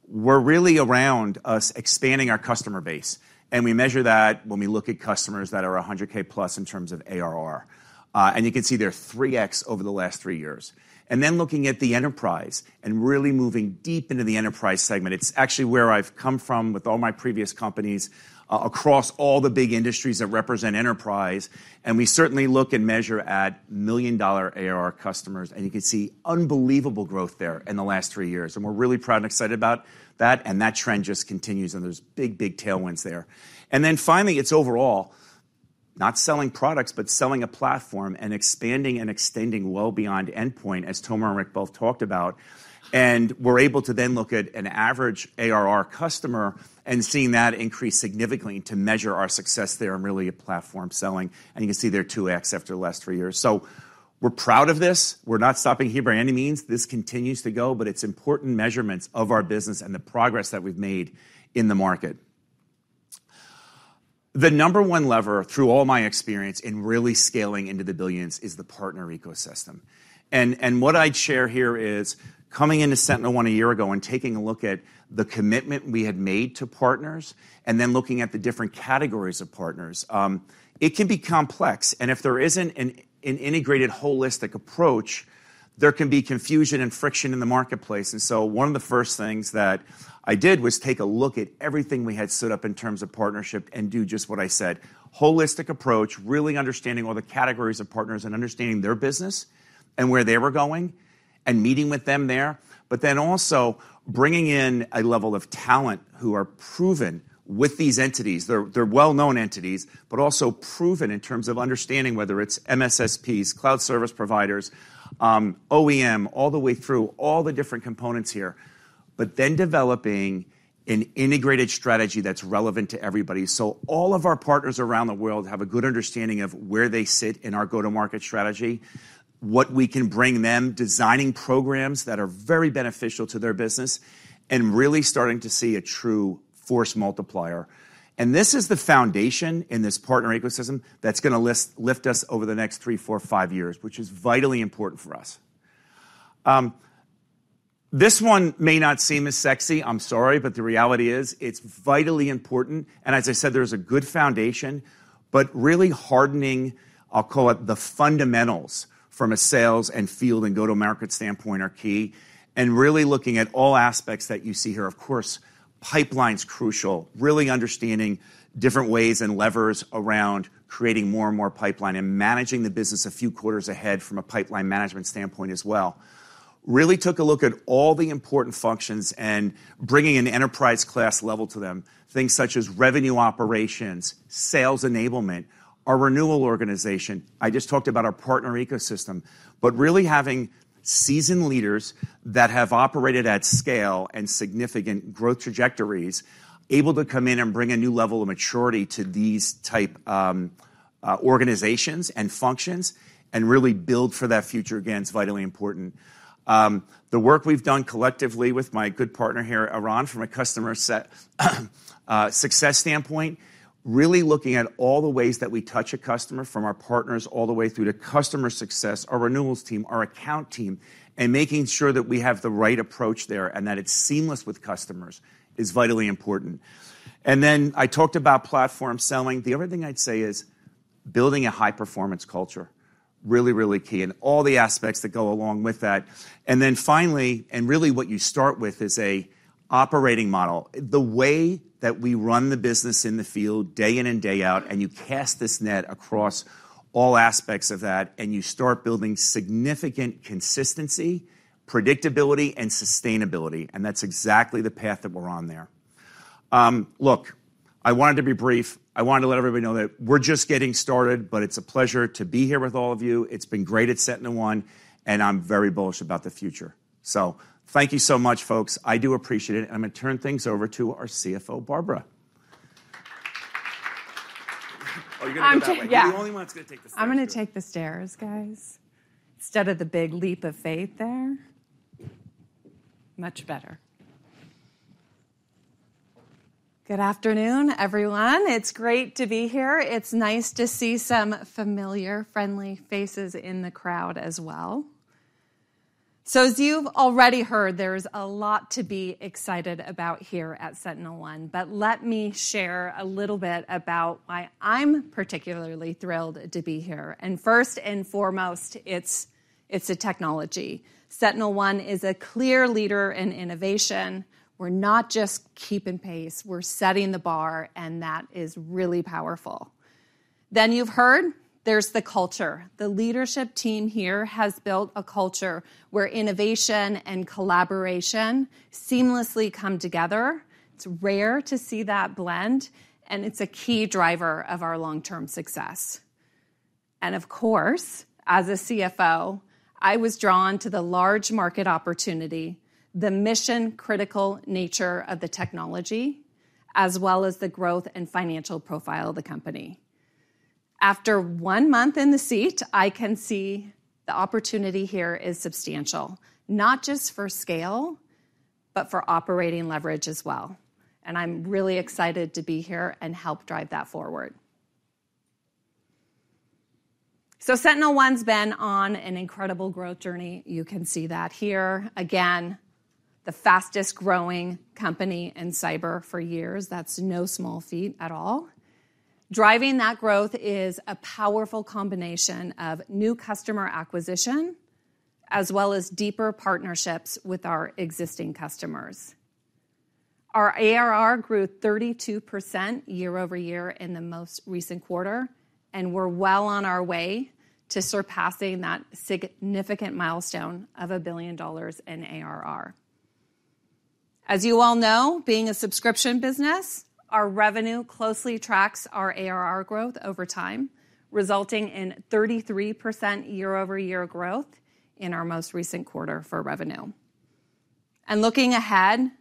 were really around us expanding our customer base, and we measure that when we look at customers that are $100,000+ in terms of ARR. And you can see they're 3x over the last three years. And then looking at the Enterprise and really moving deep into the Enterprise segment, it's actually where I've come from with all my previous companies, across all the big industries that represent Enterprise, and we certainly look and measure at $1 million ARR customers, and you can see unbelievable growth there in the last three years. We're really proud and excited about that, and that trend just continues, and there's big, big tailwinds there. And then finally, it's overall, not selling products, but selling a platform and expanding and extending well beyond Endpoint, as Tomer and Rick both talked about. And we're able to then look at an average ARR customer and seeing that increase significantly to measure our success there and really a platform selling. And you can see they're 2X after the last three years. So, we're proud of this. We're not stopping here by any means. This continues to go, but it's important measurements of our business and the progress that we've made in the market. The number one lever through all my experience in really scaling into the billions is the partner ecosystem. What I'd share here is, coming into SentinelOne a year ago and taking a look at the commitment we had made to partners, and then looking at the different categories of partners, it can be complex, and if there isn't an integrated, holistic approach, there can be confusion and friction in the marketplace. So one of the first things that I did was take a look at everything we had set up in terms of partnership and do just what I said. Holistic approach, really understanding all the categories of partners and understanding their business and where they were going, and meeting with them there, but then also bringing in a level of talent who are proven with these entities. They're well-known entities, but also proven in terms of understanding whether it's MSSPs, Cloud service providers, OEM, all the way through all the different components here, but then developing an integrated strategy that's relevant to everybody. So all of our partners around the world have a good understanding of where they sit in our go-to-market strategy, what we can bring them, designing programs that are very beneficial to their business, and really starting to see a true force multiplier. And this is the foundation in this partner ecosystem that's gonna lift us over the next three, four, five years, which is vitally important for us. This one may not seem as sexy. I'm sorry, but the reality is, it's vitally important, and as I said, there's a good foundation, but really hardening, I'll call it the fundamentals from a sales and field and go-to-market standpoint are key. And really looking at all aspects that you see here. Of course, pipeline's crucial. Really understanding different ways and levers around creating more and more pipeline and managing the business a few quarters ahead from a pipeline management standpoint as well. Really took a look at all the important functions and bringing an Enterprise-class level to them, things such as revenue operations, sales enablement, our renewal organization. I just talked about our partner ecosystem, but really having seasoned leaders that have operated at scale and significant growth trajectories, able to come in and bring a new level of maturity to these type, organizations and functions and really build for that future, again, is vitally important. The work we've done collectively with my good partner here, Eran, from a customer set, success standpoint, really looking at all the ways that we touch a customer, from our partners all the way through to customer success, our renewals team, our account team, and making sure that we have the right approach there and that it's seamless with customers, is vitally important. And then I talked about platform selling. The other thing I'd say is building a high-performance culture, really, really key, and all the aspects that go along with that. And then finally, and really what you start with, is a operating model. The way that we run the business in the field, day in and day out, and you cast this net across all aspects of that, and you start building significant consistency, predictability, and sustainability, and that's exactly the path that we're on there. Look, I wanted to be brief. I wanted to let everybody know that we're just getting started, but it's a pleasure to be here with all of you. It's been great at SentinelOne, and I'm very bullish about the future, so thank you so much, folks. I do appreciate it, and I'm gonna turn things over to our CFO, Barbara. Oh, you're gonna go that way? I'm just... Yeah. Are you the only one that's gonna take the stairs? I'm gonna take the stairs, guys, instead of the big leap of faith there. Much better. Good afternoon, everyone. It's great to be here. It's nice to see some familiar, friendly faces in the crowd as well. So as you've already heard, there's a lot to be excited about here at SentinelOne, but let me share a little bit about why I'm particularly thrilled to be here. And first and foremost, it's the technology. SentinelOne is a clear leader in innovation. We're not just keeping pace, we're setting the bar, and that is really powerful. Then you've heard, there's the culture. The leadership team here has built a culture where innovation and collaboration seamlessly come together. It's rare to see that blend, and it's a key driver of our long-term success. Of course, as a CFO, I was drawn to the large market opportunity, the mission-critical nature of the technology, as well as the growth and financial profile of the company. After one month in the seat, I can see the opportunity here is substantial, not just for scale, but for operating leverage as well, and I'm really excited to be here and help drive that forward. SentinelOne been on an incredible growth journey. You can see that here. Again, the fastest-growing company in cyber for years. That's no small feat at all. Driving that growth is a powerful combination of new customer acquisition, as well as deeper partnerships with our existing customers. Our ARR grew 32% year-over-year in the most recent quarter, and we're well on our way to surpassing that significant milestone of $1 billion in ARR. As you all know, being a subscription business, our revenue closely tracks our ARR growth over time, resulting in 33% year-over-year growth in our most recent quarter for revenue. And looking ahead,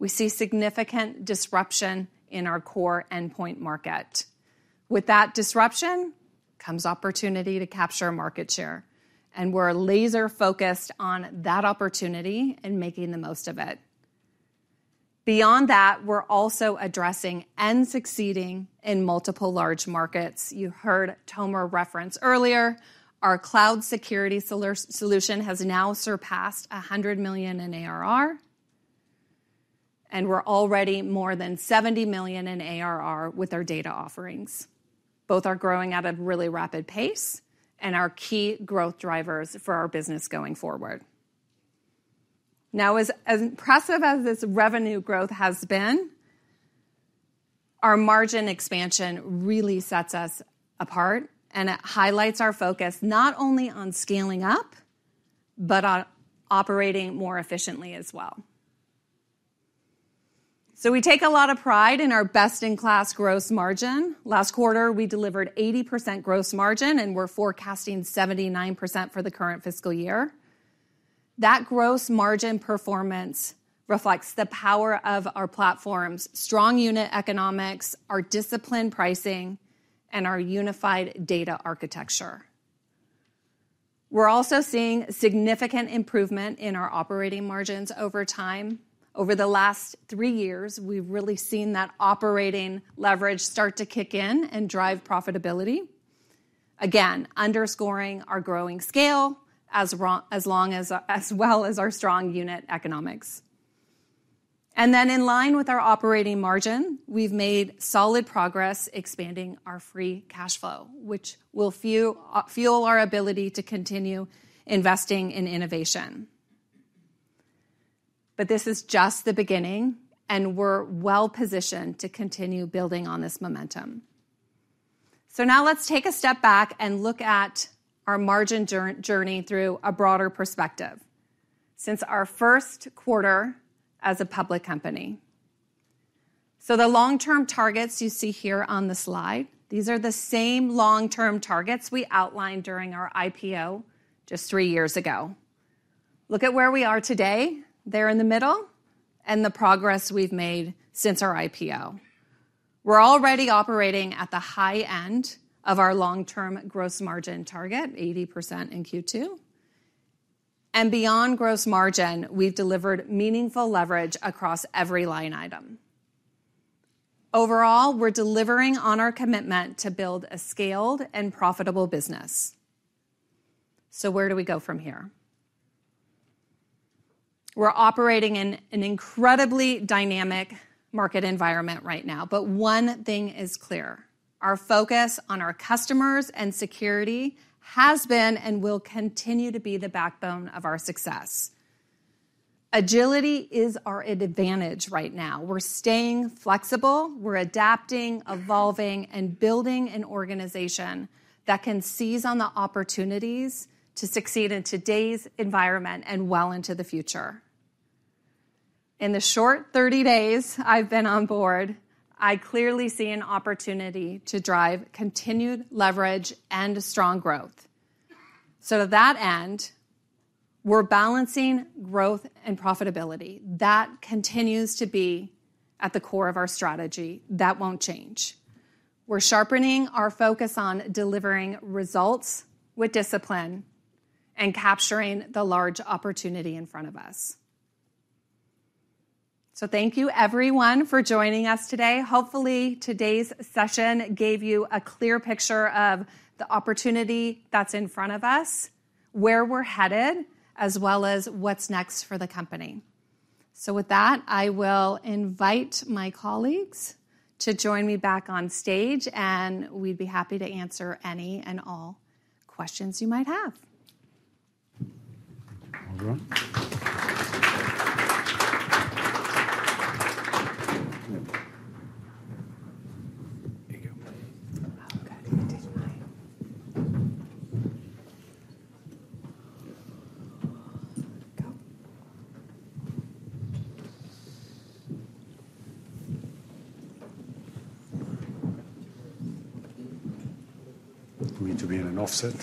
we see significant disruption in our core Endpoint market. With that disruption, comes opportunity to capture market share, and we're laser-focused on that opportunity and making the most of it. Beyond that, we're also addressing and succeeding in multiple large markets. You heard Tomer reference earlier, our Cloud Security solution has now surpassed $100 million in ARR, and we're already more than $70 million in ARR with our data offerings. Both are growing at a really rapid pace and are key growth drivers for our business going forward. Now, as impressive as this revenue growth has been, our margin expansion really sets us apart, and it highlights our focus not only on scaling up, but on operating more efficiently as well. So we take a lot of pride in our best-in-class gross margin. Last quarter, we delivered 80% gross margin, and we're forecasting 79% for the current fiscal year. That gross margin performance reflects the power of our platforms, strong unit economics, our disciplined pricing, and our unified data architecture. We're also seeing significant improvement in our operating margins over time. Over the last three years, we've really seen that operating leverage start to kick in and drive profitability. Again, underscoring our growing scale, as well as our strong unit economics. Then, in line with our operating margin, we've made solid progress expanding our free cash flow, which will fuel our ability to continue investing in innovation. But this is just the beginning, and we're well-positioned to continue building on this momentum. Now let's take a step back and look at our margin journey through a broader perspective since our first quarter as a public company. The long-term targets you see here on the slide, these are the same long-term targets we outlined during our IPO just three years ago. Look at where we are today, there in the middle, and the progress we've made since our IPO. We're already operating at the high end of our long-term gross margin target, 80% in Q2. Beyond gross margin, we've delivered meaningful leverage across every line item. Overall, we're delivering on our commitment to build a scaled and profitable business. So where do we go from here? We're operating in an incredibly dynamic market environment right now, but one thing is clear: our focus on our customers and security has been and will continue to be the backbone of our success. Agility is our advantage right now. We're staying flexible, we're adapting, evolving, and building an organization that can seize on the opportunities to succeed in today's environment and well into the future. In the short 30 days I've been on board, I clearly see an opportunity to drive continued leverage and strong growth. So to that end, we're balancing growth and profitability. That continues to be at the core of our strategy. That won't change. We're sharpening our focus on delivering results with discipline and capturing the large opportunity in front of us. Thank you, everyone, for joining us today. Hopefully, today's session gave you a clear picture of the opportunity that's in front of us, where we're headed, as well as what's next for the company. With that, I will invite my colleagues to join me back on stage, and we'd be happy to answer any and all questions you might have. All right. We need to be in an offset.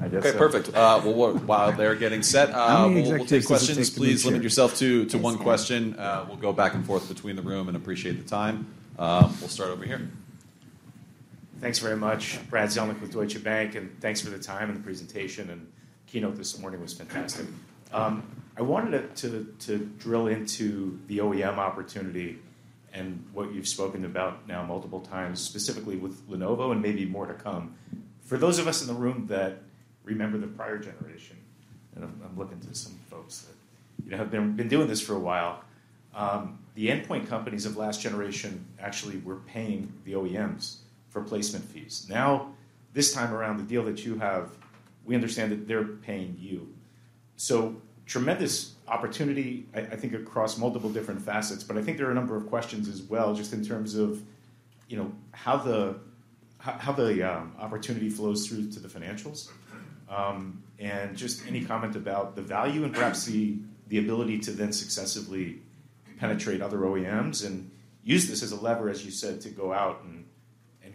Okay, perfect. Well, while they're getting set. We will take questions, please limit yourself to one question. We'll go back and forth between the room and appreciate the time. We'll start over here. Thanks very much. Brad Zelnick with Deutsche Bank, and thanks for the time and the presentation, and keynote this morning was fantastic. I wanted to drill into the OEM opportunity and what you've spoken about now multiple times, specifically with Lenovo and maybe more to come. For those of us in the room that remember the prior generation, and I'm looking to some folks that, you know, have been doing this for a while, the Endpoint companies of last generation actually were paying the OEMs for placement fees. Now, this time around, the deal that you have, we understand that they're paying you. So tremendous opportunity, I think, across multiple different facets, but I think there are a number of questions as well, just in terms of, you know, how the opportunity flows through to the financials. And just any comment about the value and perhaps the ability to then successfully penetrate other OEMs and use this as a lever, as you said, to go out and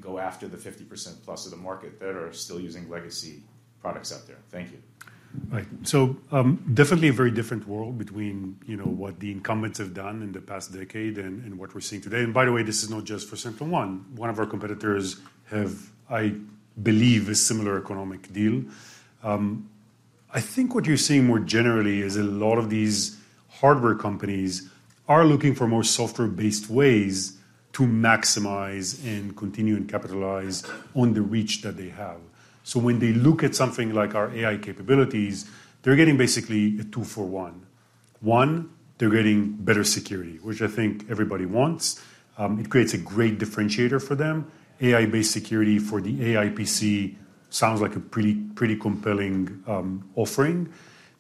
go after the 50% plus of the market that are still using legacy products out there? Thank you. Right. So, definitely a very different world between, you know, what the incumbents have done in the past decade and what we're seeing today. And by the way, this is not just for SentinelOne. One of our competitors have, I believe, a similar economic deal. I think what you're seeing more generally is a lot of these hardware companies are looking for more software-based ways to maximize and continue and capitalize on the reach that they have. So when they look at something like our AI capabilities, they're getting basically a two for one. One, they're getting better security, which I think everybody wants. It creates a great differentiator for them. AI-based security for the AI PC sounds like a pretty compelling offering.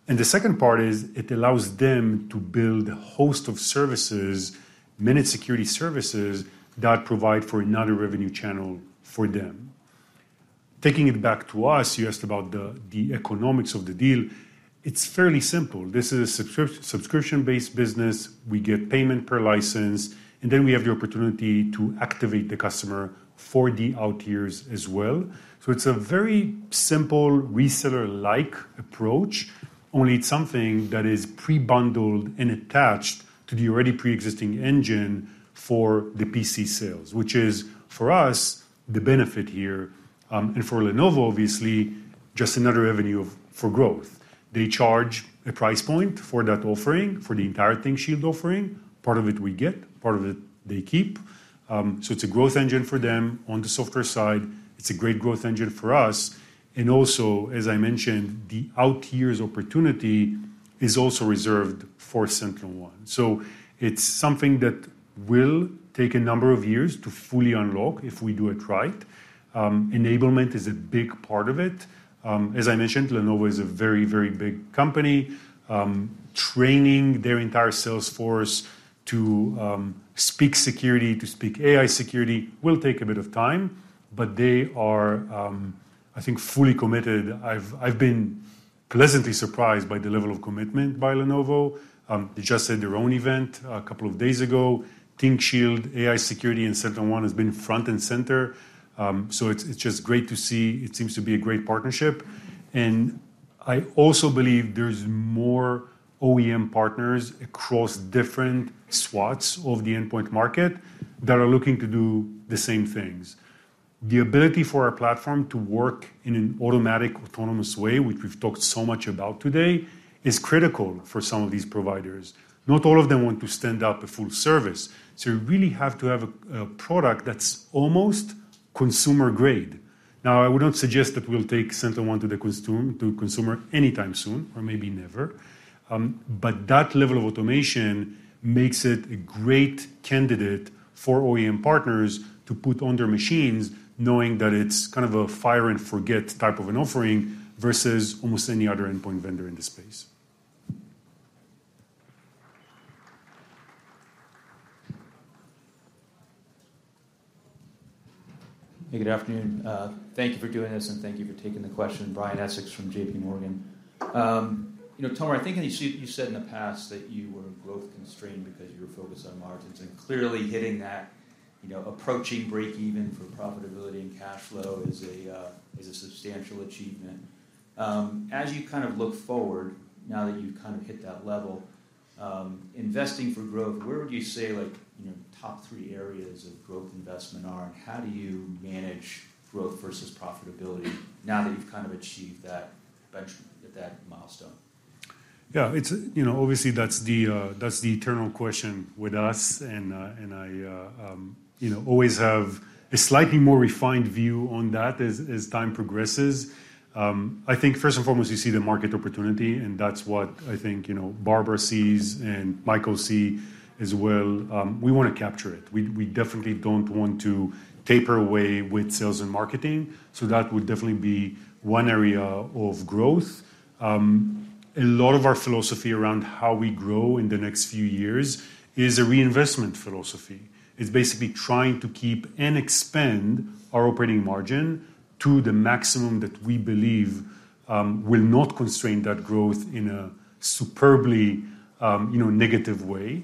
And the second part is, it allows them to build a host of services, managed security services, that provide for another revenue channel for them. Taking it back to us, you asked about the economics of the deal. It's fairly simple. This is a subscription-based business. We get payment per license, and then we have the opportunity to activate the customer for the out years as well. So it's a very simple reseller-like approach, only it's something that is pre-bundled and attached to the already pre-existing engine for the PC sales, which is, for us, the benefit here, and for Lenovo, obviously, just another avenue for growth. They charge a price point for that offering, for the entire ThinkShield offering. Part of it we get, part of it they keep. So it's a growth engine for them on the software side. It's a great growth engine for us, and also, as I mentioned, the out years opportunity is also reserved for SentinelOne. So it's something that will take a number of years to fully unlock if we do it right. Enablement is a big part of it. As I mentioned, Lenovo is a very, very big company. Training their entire sales force to speak security, to speak AI security, will take a bit of time, but they are, I think, fully committed. I've been pleasantly surprised by the level of commitment by Lenovo. They just had their own event a couple of days ago. ThinkShield, AI security, and SentinelOne has been front and center. So it's just great to see. It seems to be a great partnership, and I also believe there's more OEM partners across different swaths of the Endpoint market that are looking to do the same things. The ability for our platform to work in an automatic, autonomous way, which we've talked so much about today, is critical for some of these providers. Not all of them want to stand up a full service, so you really have to have a product that's almost consumer-grade. Now, I would not suggest that we'll take SentinelOne to the consumer anytime soon, or maybe never, but that level of automation makes it a great candidate for OEM partners to put on their machines, knowing that it's kind of a fire-and-forget type of an offering, versus almost any other Endpoint vendor in this space. Hey, good afternoon. Thank you for doing this, and thank you for taking the question. Brian Essex from JPMorgan. You know, Tomer, I think I see you said in the past that you were growth-constrained because you were focused on margins, and clearly hitting that, you know, approaching breakeven for profitability and cash flow is a substantial achievement. As you kind of look forward, now that you've kind of hit that level, investing for growth, where would you say like, you know, top three areas of growth investment are? And how do you manage growth versus profitability now that you've kind of achieved that benchmark, that milestone? Yeah, it's, you know, obviously, that's the eternal question with us, and, and I, you know, always have a slightly more refined view on that as time progresses. I think first and foremost, you see the market opportunity, and that's what I think, you know, Barbara sees and Michael see as well. We wanna capture it. We definitely don't want to taper away with sales and marketing, so that would definitely be one area of growth. A lot of our philosophy around how we grow in the next few years is a reinvestment philosophy. It's basically trying to keep and expand our operating margin to the maximum that we believe will not constrain that growth in a severely negative way.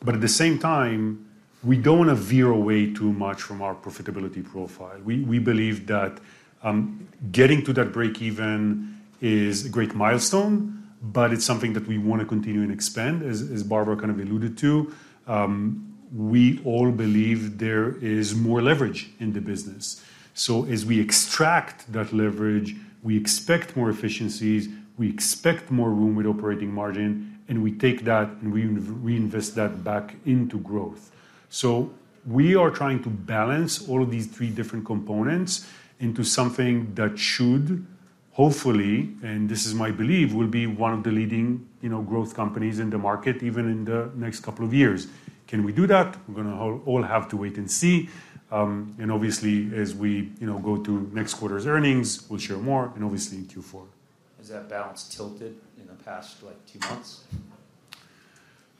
But at the same time, we don't want to veer away too much from our profitability profile. We believe that getting to that breakeven is a great milestone, but it's something that we want to continue and expand, as Barbara kind of alluded to. We all believe there is more leverage in the business. So as we extract that leverage, we expect more efficiencies, we expect more room with operating margin, and we take that, and we reinvest that back into growth. So we are trying to balance all of these three different components into something that should, hopefully, and this is my belief, will be one of the leading, you know, growth companies in the market, even in the next couple of years. Can we do that? We're gonna all have to wait and see. And obviously, as we, you know, go to next quarter's earnings, we'll share more, and obviously in Q4. Has that balance tilted in the past, like, two months?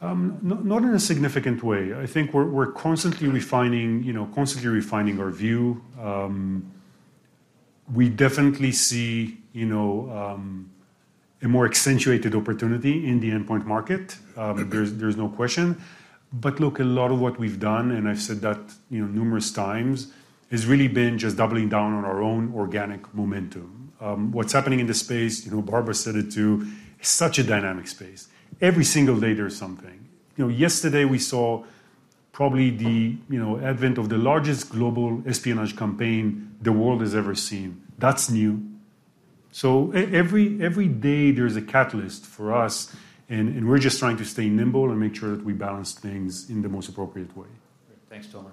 Not in a significant way. I think we're constantly refining, you know, our view. We definitely see, you know, a more accentuated opportunity in the Endpoint market. There's no question. But look, a lot of what we've done, and I've said that, you know, numerous times, has really been just doubling down on our own organic momentum. What's happening in the space, you know, Barbara said it, too. It's such a dynamic space. Every single day there's something. You know, yesterday we saw probably the, you know, advent of the largest global espionage campaign the world has ever seen. That's new. So every day there is a catalyst for us, and we're just trying to stay nimble and make sure that we balance things in the most appropriate way. Thanks, Tomer.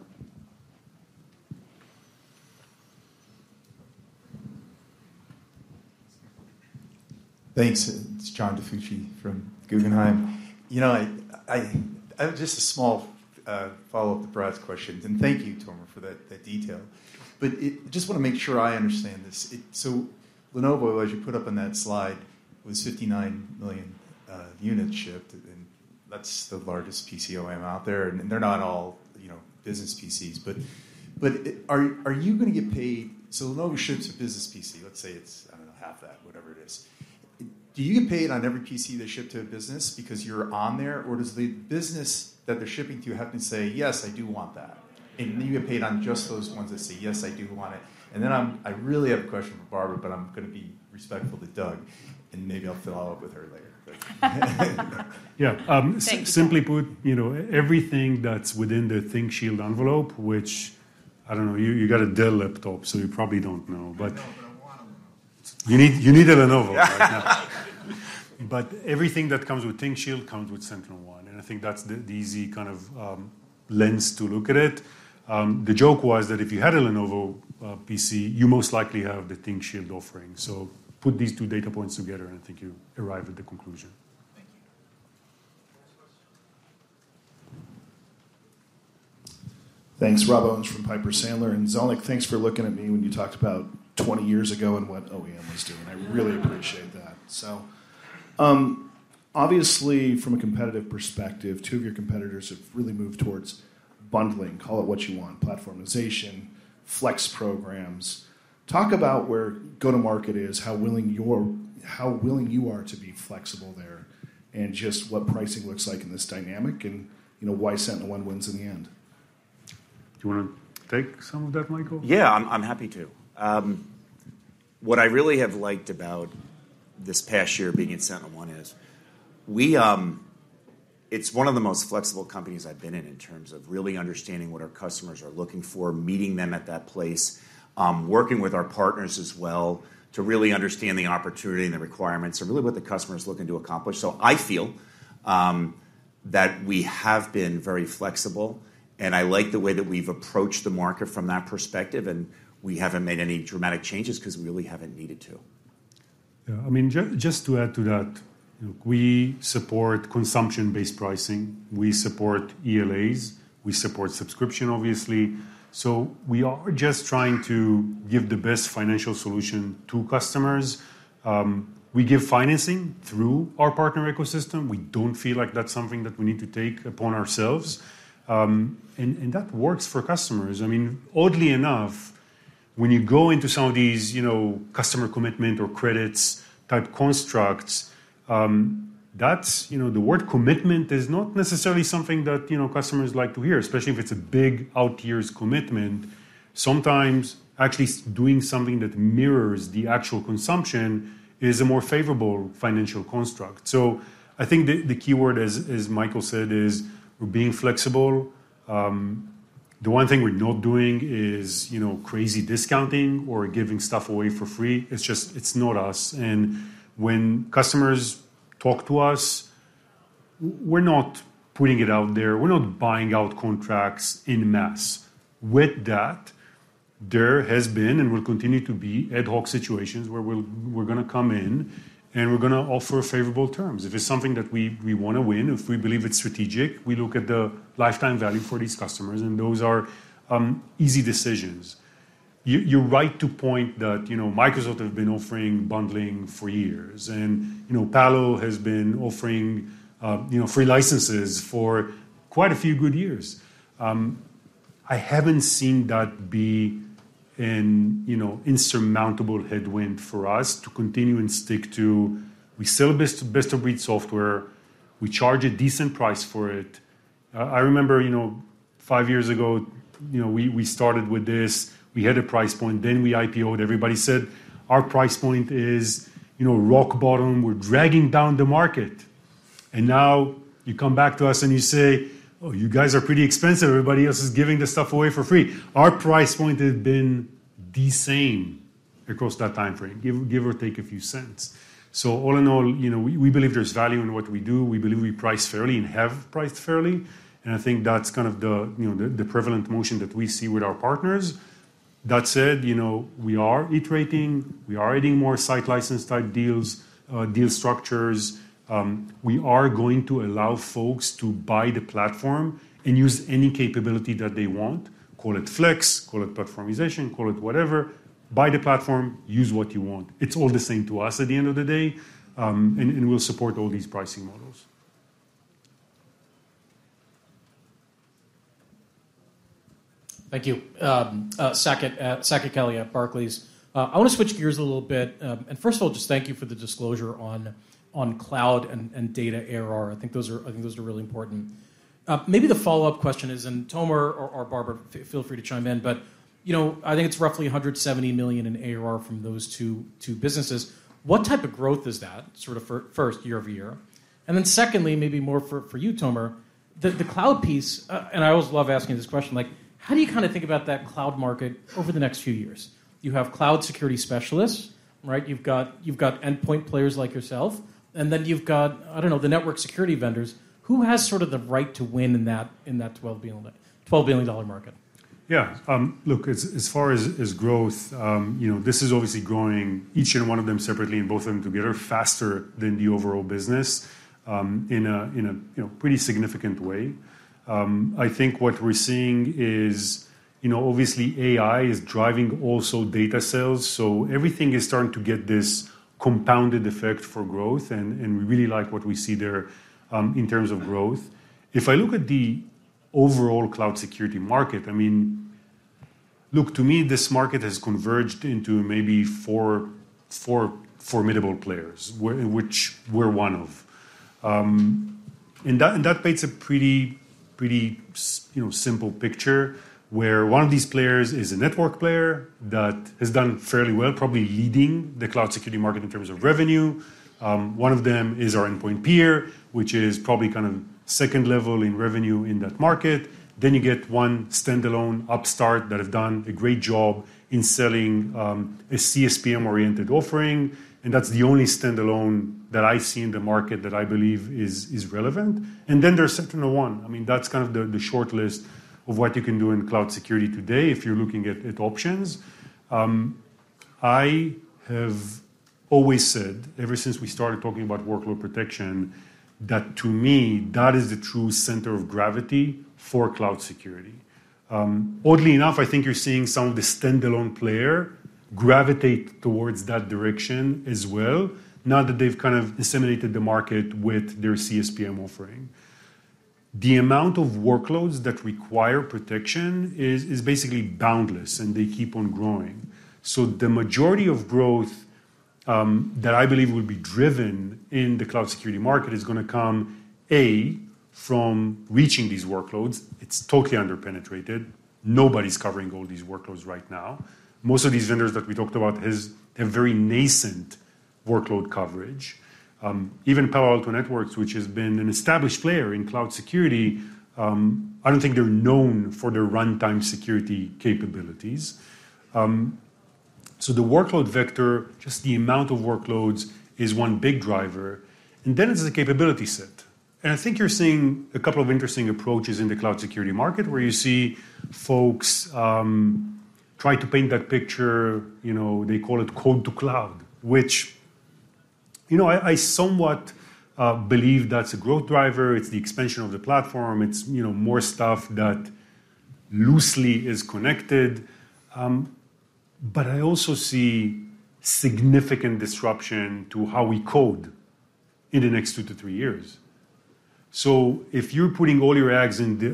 Thanks. It's John DiFucci from Guggenheim. You know, I just a small follow-up to Brian questions, and thank you, Tomer, for that detail. But I just wanna make sure I understand this. So Lenovo, as you put up on that slide, was 59 million units shipped, and that's the largest PC OEM out there, and they're not all, you know, business PCs. But are you gonna get paid? So Lenovo ships a business PC, let's say it's, I don't know, half that, whatever it is. Do you get paid on every PC they ship to a business because you're on there? Or does the business that they're shipping to have to say, "Yes, I do want that," and then you get paid on just those ones that say, "Yes, I do want it"? I really have a question for Barbara, but I'm gonna be respectful to Doug, and maybe I'll follow up with her later. Yeah, um- Thanks. Simply put, you know, everything that's within the ThinkShield envelope, which, I don't know, you, you got a Dell laptop, so you probably don't know, but- I know, but I want a Lenovo. You need, you need a Lenovo, right? But everything that comes with ThinkShield comes with SentinelOne, and I think that's the easy kind of lens to look at it. The joke was that if you had a Lenovo PC, you most likely have the ThinkShield offering. So put these two data points together, and I think you arrive at the conclusion. Thanks. Rob Owens from Piper Sandler. And Zelnick, thanks for looking at me when you talked about twenty years ago and what OEM was doing. I really appreciate that. So, obviously, from a competitive perspective, two of your competitors have really moved towards bundling, call it what you want, platformization, flex programs. Talk about where go-to-market is, how willing you are to be flexible there, and just what pricing looks like in this dynamic, and, you know, why SentinelOne wins in the end? Do you wanna take some of that, Michael? Yeah, I'm happy to. What I really have liked about this past year being at SentinelOne is. It's one of the most flexible companies I've been in in terms of really understanding what our customers are looking for, meeting them at that place, working with our partners as well to really understand the opportunity and the requirements and really what the customer is looking to accomplish. So I feel that we have been very flexible, and I like the way that we've approached the market from that perspective, and we haven't made any dramatic changes 'cause we really haven't needed to. Yeah. I mean, just to add to that, we support consumption-based pricing, we support ELAs, we support subscription, obviously. So we are just trying to give the best financial solution to customers. We give financing through our partner ecosystem. We don't feel like that's something that we need to take upon ourselves. And that works for customers. I mean, oddly enough, when you go into some of these, you know, customer commitment or credits type constructs, that's, you know, the word commitment is not necessarily something that, you know, customers like to hear, especially if it's a big out years commitment. Sometimes actually doing something that mirrors the actual consumption is a more favorable financial construct. So I think the key word is, as Michael said, is we're being flexible. The one thing we're not doing is, you know, crazy discounting or giving stuff away for free. It's just, it's not us. And when customers talk to us, we're not putting it out there, we're not buying out contracts in masse. With that, there has been and will continue to be ad hoc situations where we're gonna come in, and we're gonna offer favorable terms. If it's something that we wanna win, if we believe it's strategic, we look at the lifetime value for these customers, and those are easy decisions. You're right to point that, you know, Microsoft have been offering bundling for years, and, you know, Palo has been offering, you know, free licenses for quite a few good years. I haven't seen that be an, you know, insurmountable headwind for us to continue and stick to. We sell best, best-of-breed software. We charge a decent price for it. I remember, you know, five years ago, you know, we started with this, we had a price point, then we IPO'd. Everybody said our price point is, you know, rock bottom, we're dragging down the market, and now you come back to us, and you say: "Oh, you guys are pretty expensive. Everybody else is giving this stuff away for free." Our price point has been the same across that time frame, give or take a few cents, so all in all, you know, we believe there's value in what we do. We believe we price fairly and have priced fairly, and I think that's kind of the, you know, the prevalent motion that we see with our partners. That said, you know, we are iterating, we are adding more site license type deals, deal structures. We are going to allow folks to buy the platform and use any capability that they want, call it flex, call it platformization, call it whatever. Buy the platform, use what you want. It's all the same to us at the end of the day, and we'll support all these pricing models. Thank you. Saket Kalia at Barclays. I want to switch gears a little bit. And first of all, just thank you for the disclosure on Cloud and data ARR. I think those are, I think those are really important. Maybe the follow-up question is, and Tomer or Barbara, feel free to chime in, but, you know, I think it's roughly $170 million in ARR from those two businesses. What type of growth is that, sort of, first, year-over-year? And then secondly, maybe more for you, Tomer, the Cloud piece, and I always love asking this question, like, how do you kind of think about that Cloud market over the next few years? You have Cloud Security specialists, right? You've got Endpoint players like yourself, and then you've got, I don't know, the network security vendors. Who has sort of the right to win in that $12 billion market? Yeah. Look, as far as growth, you know, this is obviously growing, each one of them separately and both of them together, faster than the overall business, in a you know pretty significant way. I think what we're seeing is, you know, obviously, AI is driving also data sales, so everything is starting to get this compounded effect for growth, and we really like what we see there, in terms of growth. If I look at the overall Cloud Security market, I mean, look, to me, this market has converged into maybe four formidable players, which we're one of, and that paints a pretty you know simple picture, where one of these players is a network player that has done fairly well, probably leading the Cloud Security market in terms of revenue. One of them is our Endpoint peer, which is probably kind of second level in revenue in that market. Then you get one standalone upstart that have done a great job in selling, a CSPM-oriented offering, and that's the only standalone that I've seen in the market that I believe is relevant. And then there's SentinelOne. I mean, that's kind of the short list of what you can do in Cloud Security today if you're looking at options. I have always said, ever since we started talking about workload protection, that to me, that is the true center of gravity for Cloud Security. Oddly enough, I think you're seeing some of the standalone player gravitate towards that direction as well, now that they've kind of disseminated the market with their CSPM offering. The amount of workloads that require protection is basically boundless, and they keep on growing. So the majority of growth that I believe will be driven in the Cloud Security market is going to come, A, from reaching these workloads. It's totally under-penetrated. Nobody's covering all these workloads right now. Most of these vendors that we talked about has a very nascent workload coverage. Even Palo Alto Networks, which has been an established player in Cloud Security, I don't think they're known for their runtime security capabilities. So the workload vector, just the amount of workloads, is one big driver, and then it's the capability set. And I think you're seeing a couple of interesting approaches in the Cloud Security market, where you see folks try to paint that picture, you know, they call it code to Cloud, which. You know, I somewhat believe that's a growth driver. It's the expansion of the platform. It's, you know, more stuff that loosely is connected. But I also see significant disruption to how we code in the next two to three years. So if you're putting all your eggs in the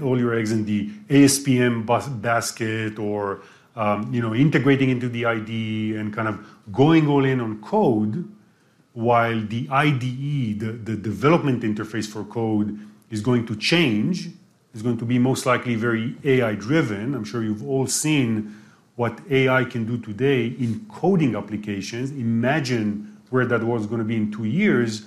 ASPM basket or, you know, integrating into the IDE and kind of going all in on code, while the IDE, the development interface for code, is going to change, is going to be most likely very AI-driven. I'm sure you've all seen what AI can do today in coding applications. Imagine where that world is going to be in two years.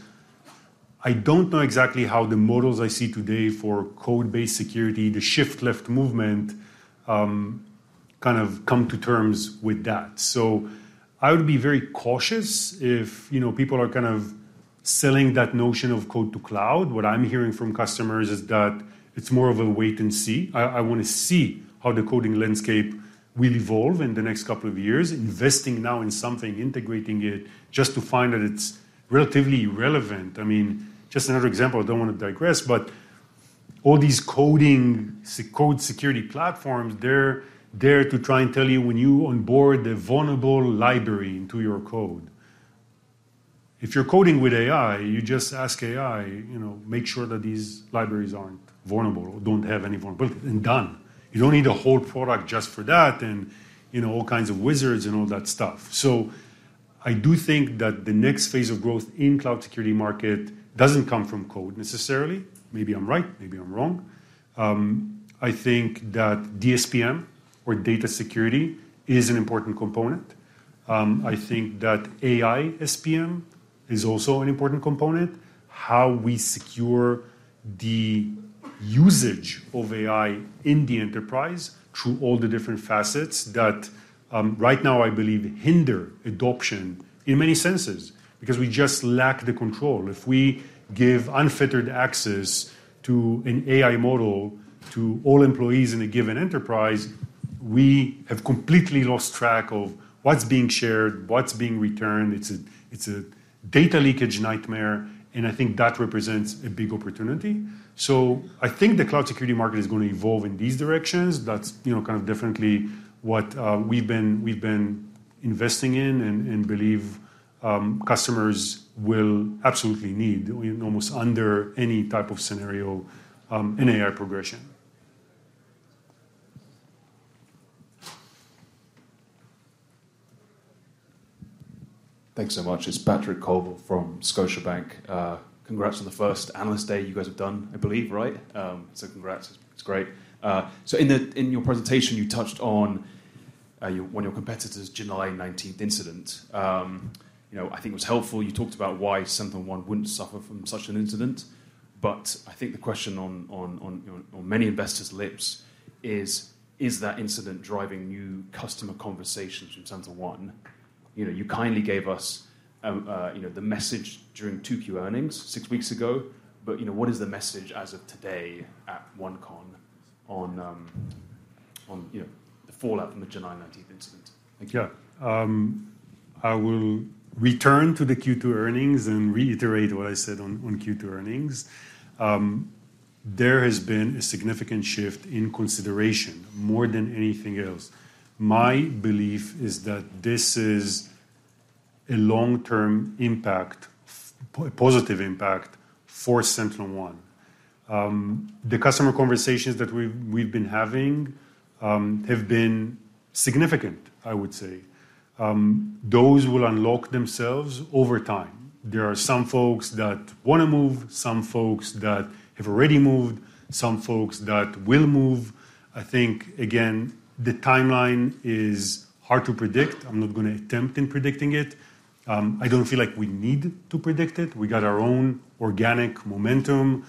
I don't know exactly how the models I see today for code-based security, the shift left movement, kind of come to terms with that. So, I would be very cautious if, you know, people are kind of selling that notion of code to Cloud. What I'm hearing from customers is that it's more of a wait and see. I want to see how the coding landscape will evolve in the next couple of years. Investing now in something, integrating it, just to find that it's relatively irrelevant. I mean, just another example. I don't want to digress, but all these coding, code security platforms, they're there to try and tell you when you onboard the vulnerable library into your code. If you're coding with AI, you just ask AI, you know, "Make sure that these libraries aren't vulnerable or don't have any vulnerability," and done. You don't need a whole product just for that and, you know, all kinds of wizards and all that stuff. So I do think that the next phase of growth in Cloud Security market doesn't come from code necessarily. Maybe I'm right, maybe I'm wrong. I think that DSPM or data security is an important component. I think that AI-SPM is also an important component, how we secure the usage of AI in the Enterprise through all the different facets that, right now, I believe, hinder adoption in many senses because we just lack the control. If we give unfettered access to an AI model to all employees in a given Enterprise, we have completely lost track of what's being shared, what's being returned. It's a data leakage nightmare, and I think that represents a big opportunity. So I think the Cloud Security market is going to evolve in these directions. That's, you know, kind of definitely what we've been investing in and believe customers will absolutely need, almost under any type of scenario, in AI progression. Thanks so much. It's Patrick Colville from Scotiabank. Congrats on the first analyst day you guys have done, I believe, right? So congrats. It's great. So in your presentation, you touched on one of your competitors' July 19 incident. You know, I think it was helpful you talked about why SentinelOne wouldn't suffer from such an incident. But I think the question on many investors' lips is: Is that incident driving new customer conversations in SentinelOne? You know, you kindly gave us, you know, the message during Q2 earnings six weeks ago, but, you know, what is the message as of today at OneCon on, you know, the fallout from the July 19 incident? Thank you. Yeah. I will return to the Q2 earnings and reiterate what I said on Q2 earnings. There has been a significant shift in consideration more than anything else. My belief is that this is a long-term impact, positive impact for SentinelOne. The customer conversations that we've been having have been significant, I would say. Those will unlock themselves over time. There are some folks that want to move, some folks that have already moved, some folks that will move. I think, again, the timeline is hard to predict. I'm not going to attempt in predicting it. I don't feel like we need to predict it. We got our own organic momentum,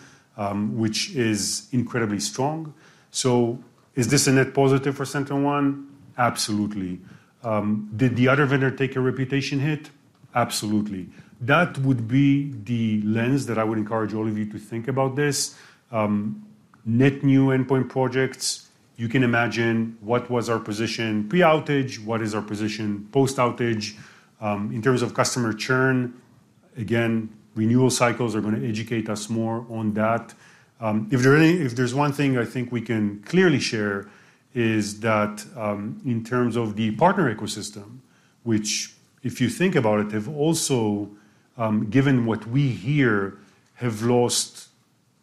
which is incredibly strong. So is this a net positive for SentinelOne? Absolutely. Did the other vendor take a reputation hit? Absolutely. That would be the lens that I would encourage all of you to think about this. Net new Endpoint projects, you can imagine what was our position pre-outage, what is our position post-outage. In terms of customer churn, again, renewal cycles are going to educate us more on that. If there's one thing I think we can clearly share is that, in terms of the partner ecosystem, which if you think about it, have also, given what we hear, have lost,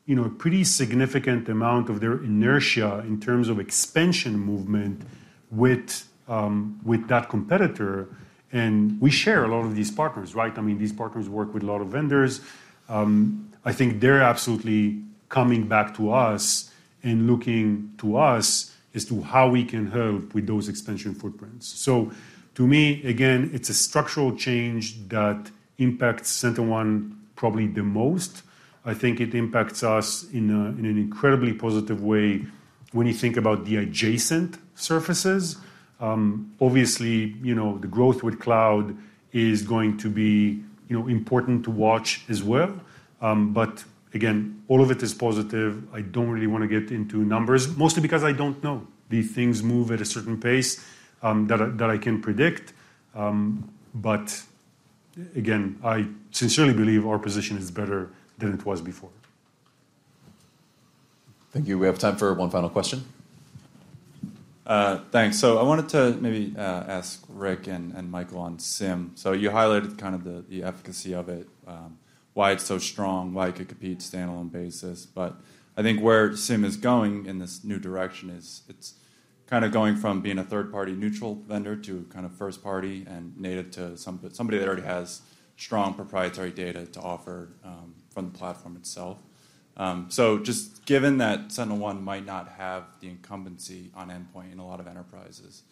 you know, a pretty significant amount of their inertia in terms of expansion movement with, with that competitor. And we share a lot of these partners, right? I mean, these partners work with a lot of vendors. I think they're absolutely coming back to us and looking to us as to how we can help with those expansion footprints. So to me, again, it's a structural change that impacts SentinelOne probably the most. I think it impacts us in an incredibly positive way when you think about the adjacent surfaces. Obviously, you know, the growth with Cloud is going to be, you know, important to watch as well. But again, all of it is positive. I don't really want to get into numbers, mostly because I don't know. These things move at a certain pace that I can predict. But again, I sincerely believe our position is better than it was before. Thank you. We have time for one final question. Thanks. So I wanted to maybe ask Ric and Michael on SIEM. So you highlighted kind of the efficacy of it, why it's so strong, why it could compete standalone basis. But I think where SIEM is going in this new direction is it's kind of going from being a third-party neutral vendor to a kind of first party and native to somebody that already has strong proprietary data to offer, from the platform itself. So just given that SentinelOne might not have the incumbency on Endpoint in a lot of Enterprises,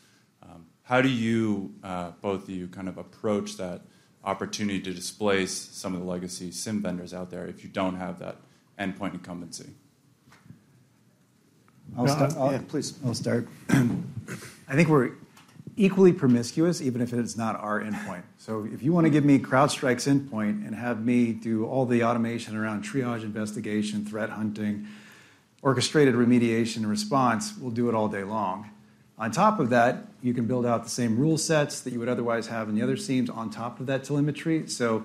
how do you both of you kind of approach that opportunity to displace some of the legacy SIEM vendors out there if you don't have that Endpoint incumbency? I'll start- Yeah, please. I'll start. I think we're equally promiscuous, even if it is not our Endpoint. So if you want to give me CrowdStrike's Endpoint and have me do all the automation around triage, investigation, threat hunting, orchestrated remediation, and response, we'll do it all day long. On top of that, you can build out the same rule sets that you would otherwise have in the other SIEMs on top of that telemetry. So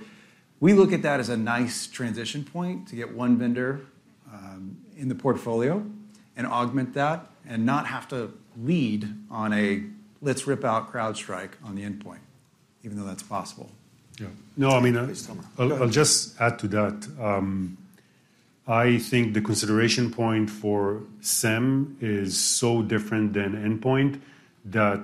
we look at that as a nice transition point to get one vendor in the portfolio and augment that, and not have to lead on a "Let's rip out CrowdStrike on the Endpoint." Even though that's possible? Yeah. No, I mean, Please, tell me. I'll just add to that. I think the consideration point for SIEM is so different than Endpoint, that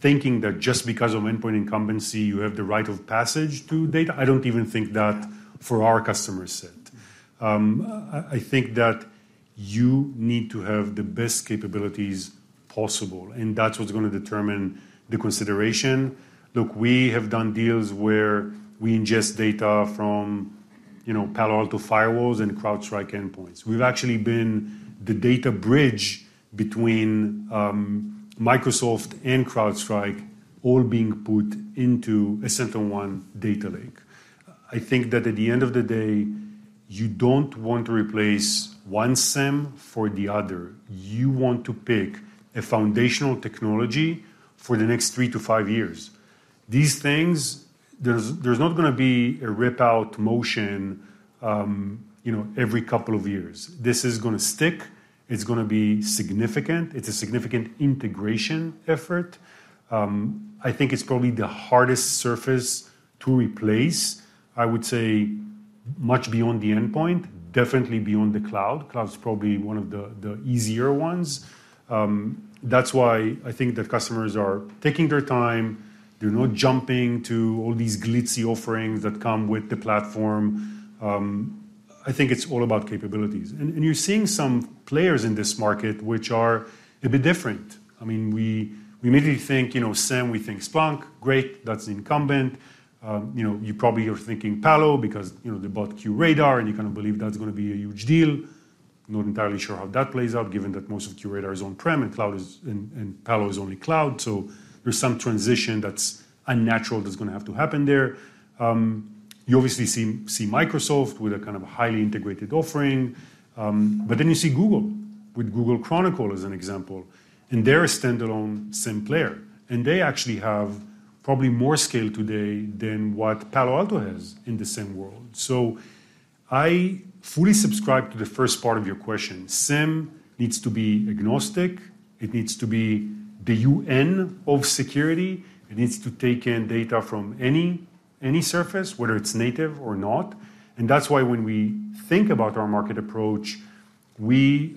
thinking that just because of Endpoint incumbency, you have the right of passage to data, I don't even think that for our customer set. I think that you need to have the best capabilities possible, and that's what's gonna determine the consideration. Look, we have done deals where we ingest data from, you know, Palo Alto firewalls and CrowdStrike Endpoints. We've actually been the data bridge between, Microsoft and CrowdStrike all being put into a SentinelOne Data Lake. I think that at the end of the day, you don't want to replace one SIEM for the other. You want to pick a foundational technology for the next three to five years. These things, there's not gonna be a rip-out motion, you know, every couple of years. This is gonna stick. It's gonna be significant. It's a significant integration effort. I think it's probably the hardest surface to replace, I would say, much beyond the Endpoint, definitely beyond the Cloud. Cloud is probably one of the easier ones. That's why I think that customers are taking their time. They're not jumping to all these glitzy offerings that come with the platform. I think it's all about capabilities, and you're seeing some players in this market which are a bit different. I mean, we immediately think, you know, SIEM, we think Splunk. Great, that's the incumbent. You know, you probably are thinking Palo because, you know, they bought QRadar, and you kind of believe that's gonna be a huge deal. Not entirely sure how that plays out, given that most of QRadar is on-prem, and Cloud is and Palo is only Cloud, so there's some transition that's unnatural that's gonna have to happen there. You obviously see Microsoft with a kind of a highly integrated offering. But then you see Google, with Google Chronicle as an example, and they're a standalone SIEM player, and they actually have probably more scale today than what Palo Alto has in the SIEM world. I fully subscribe to the first part of your question. SIEM needs to be agnostic. It needs to be the UN of security. It needs to take in data from any surface, whether it's native or not, and that's why when we think about our market approach, we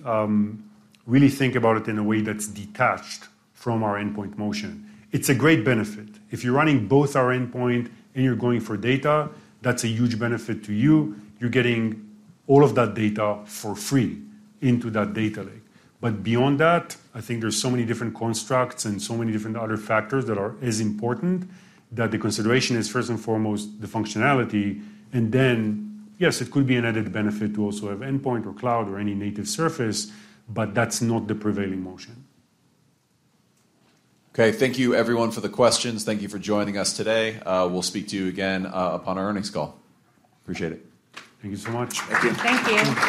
really think about it in a way that's detached from our Endpoint motion. It's a great benefit. If you're running both our Endpoint and you're going for data, that's a huge benefit to you. You're getting all of that data for free into that Data Lake. But beyond that, I think there's so many different constructs and so many different other factors that are as important, that the consideration is first and foremost the functionality, and then, yes, it could be an added benefit to also have Endpoint or Cloud or any native surface, but that's not the prevailing motion. Okay, thank you, everyone, for the questions. Thank you for joining us today. We'll speak to you again upon our earnings call. Appreciate it. Thank you so much. Thank you. Thank you.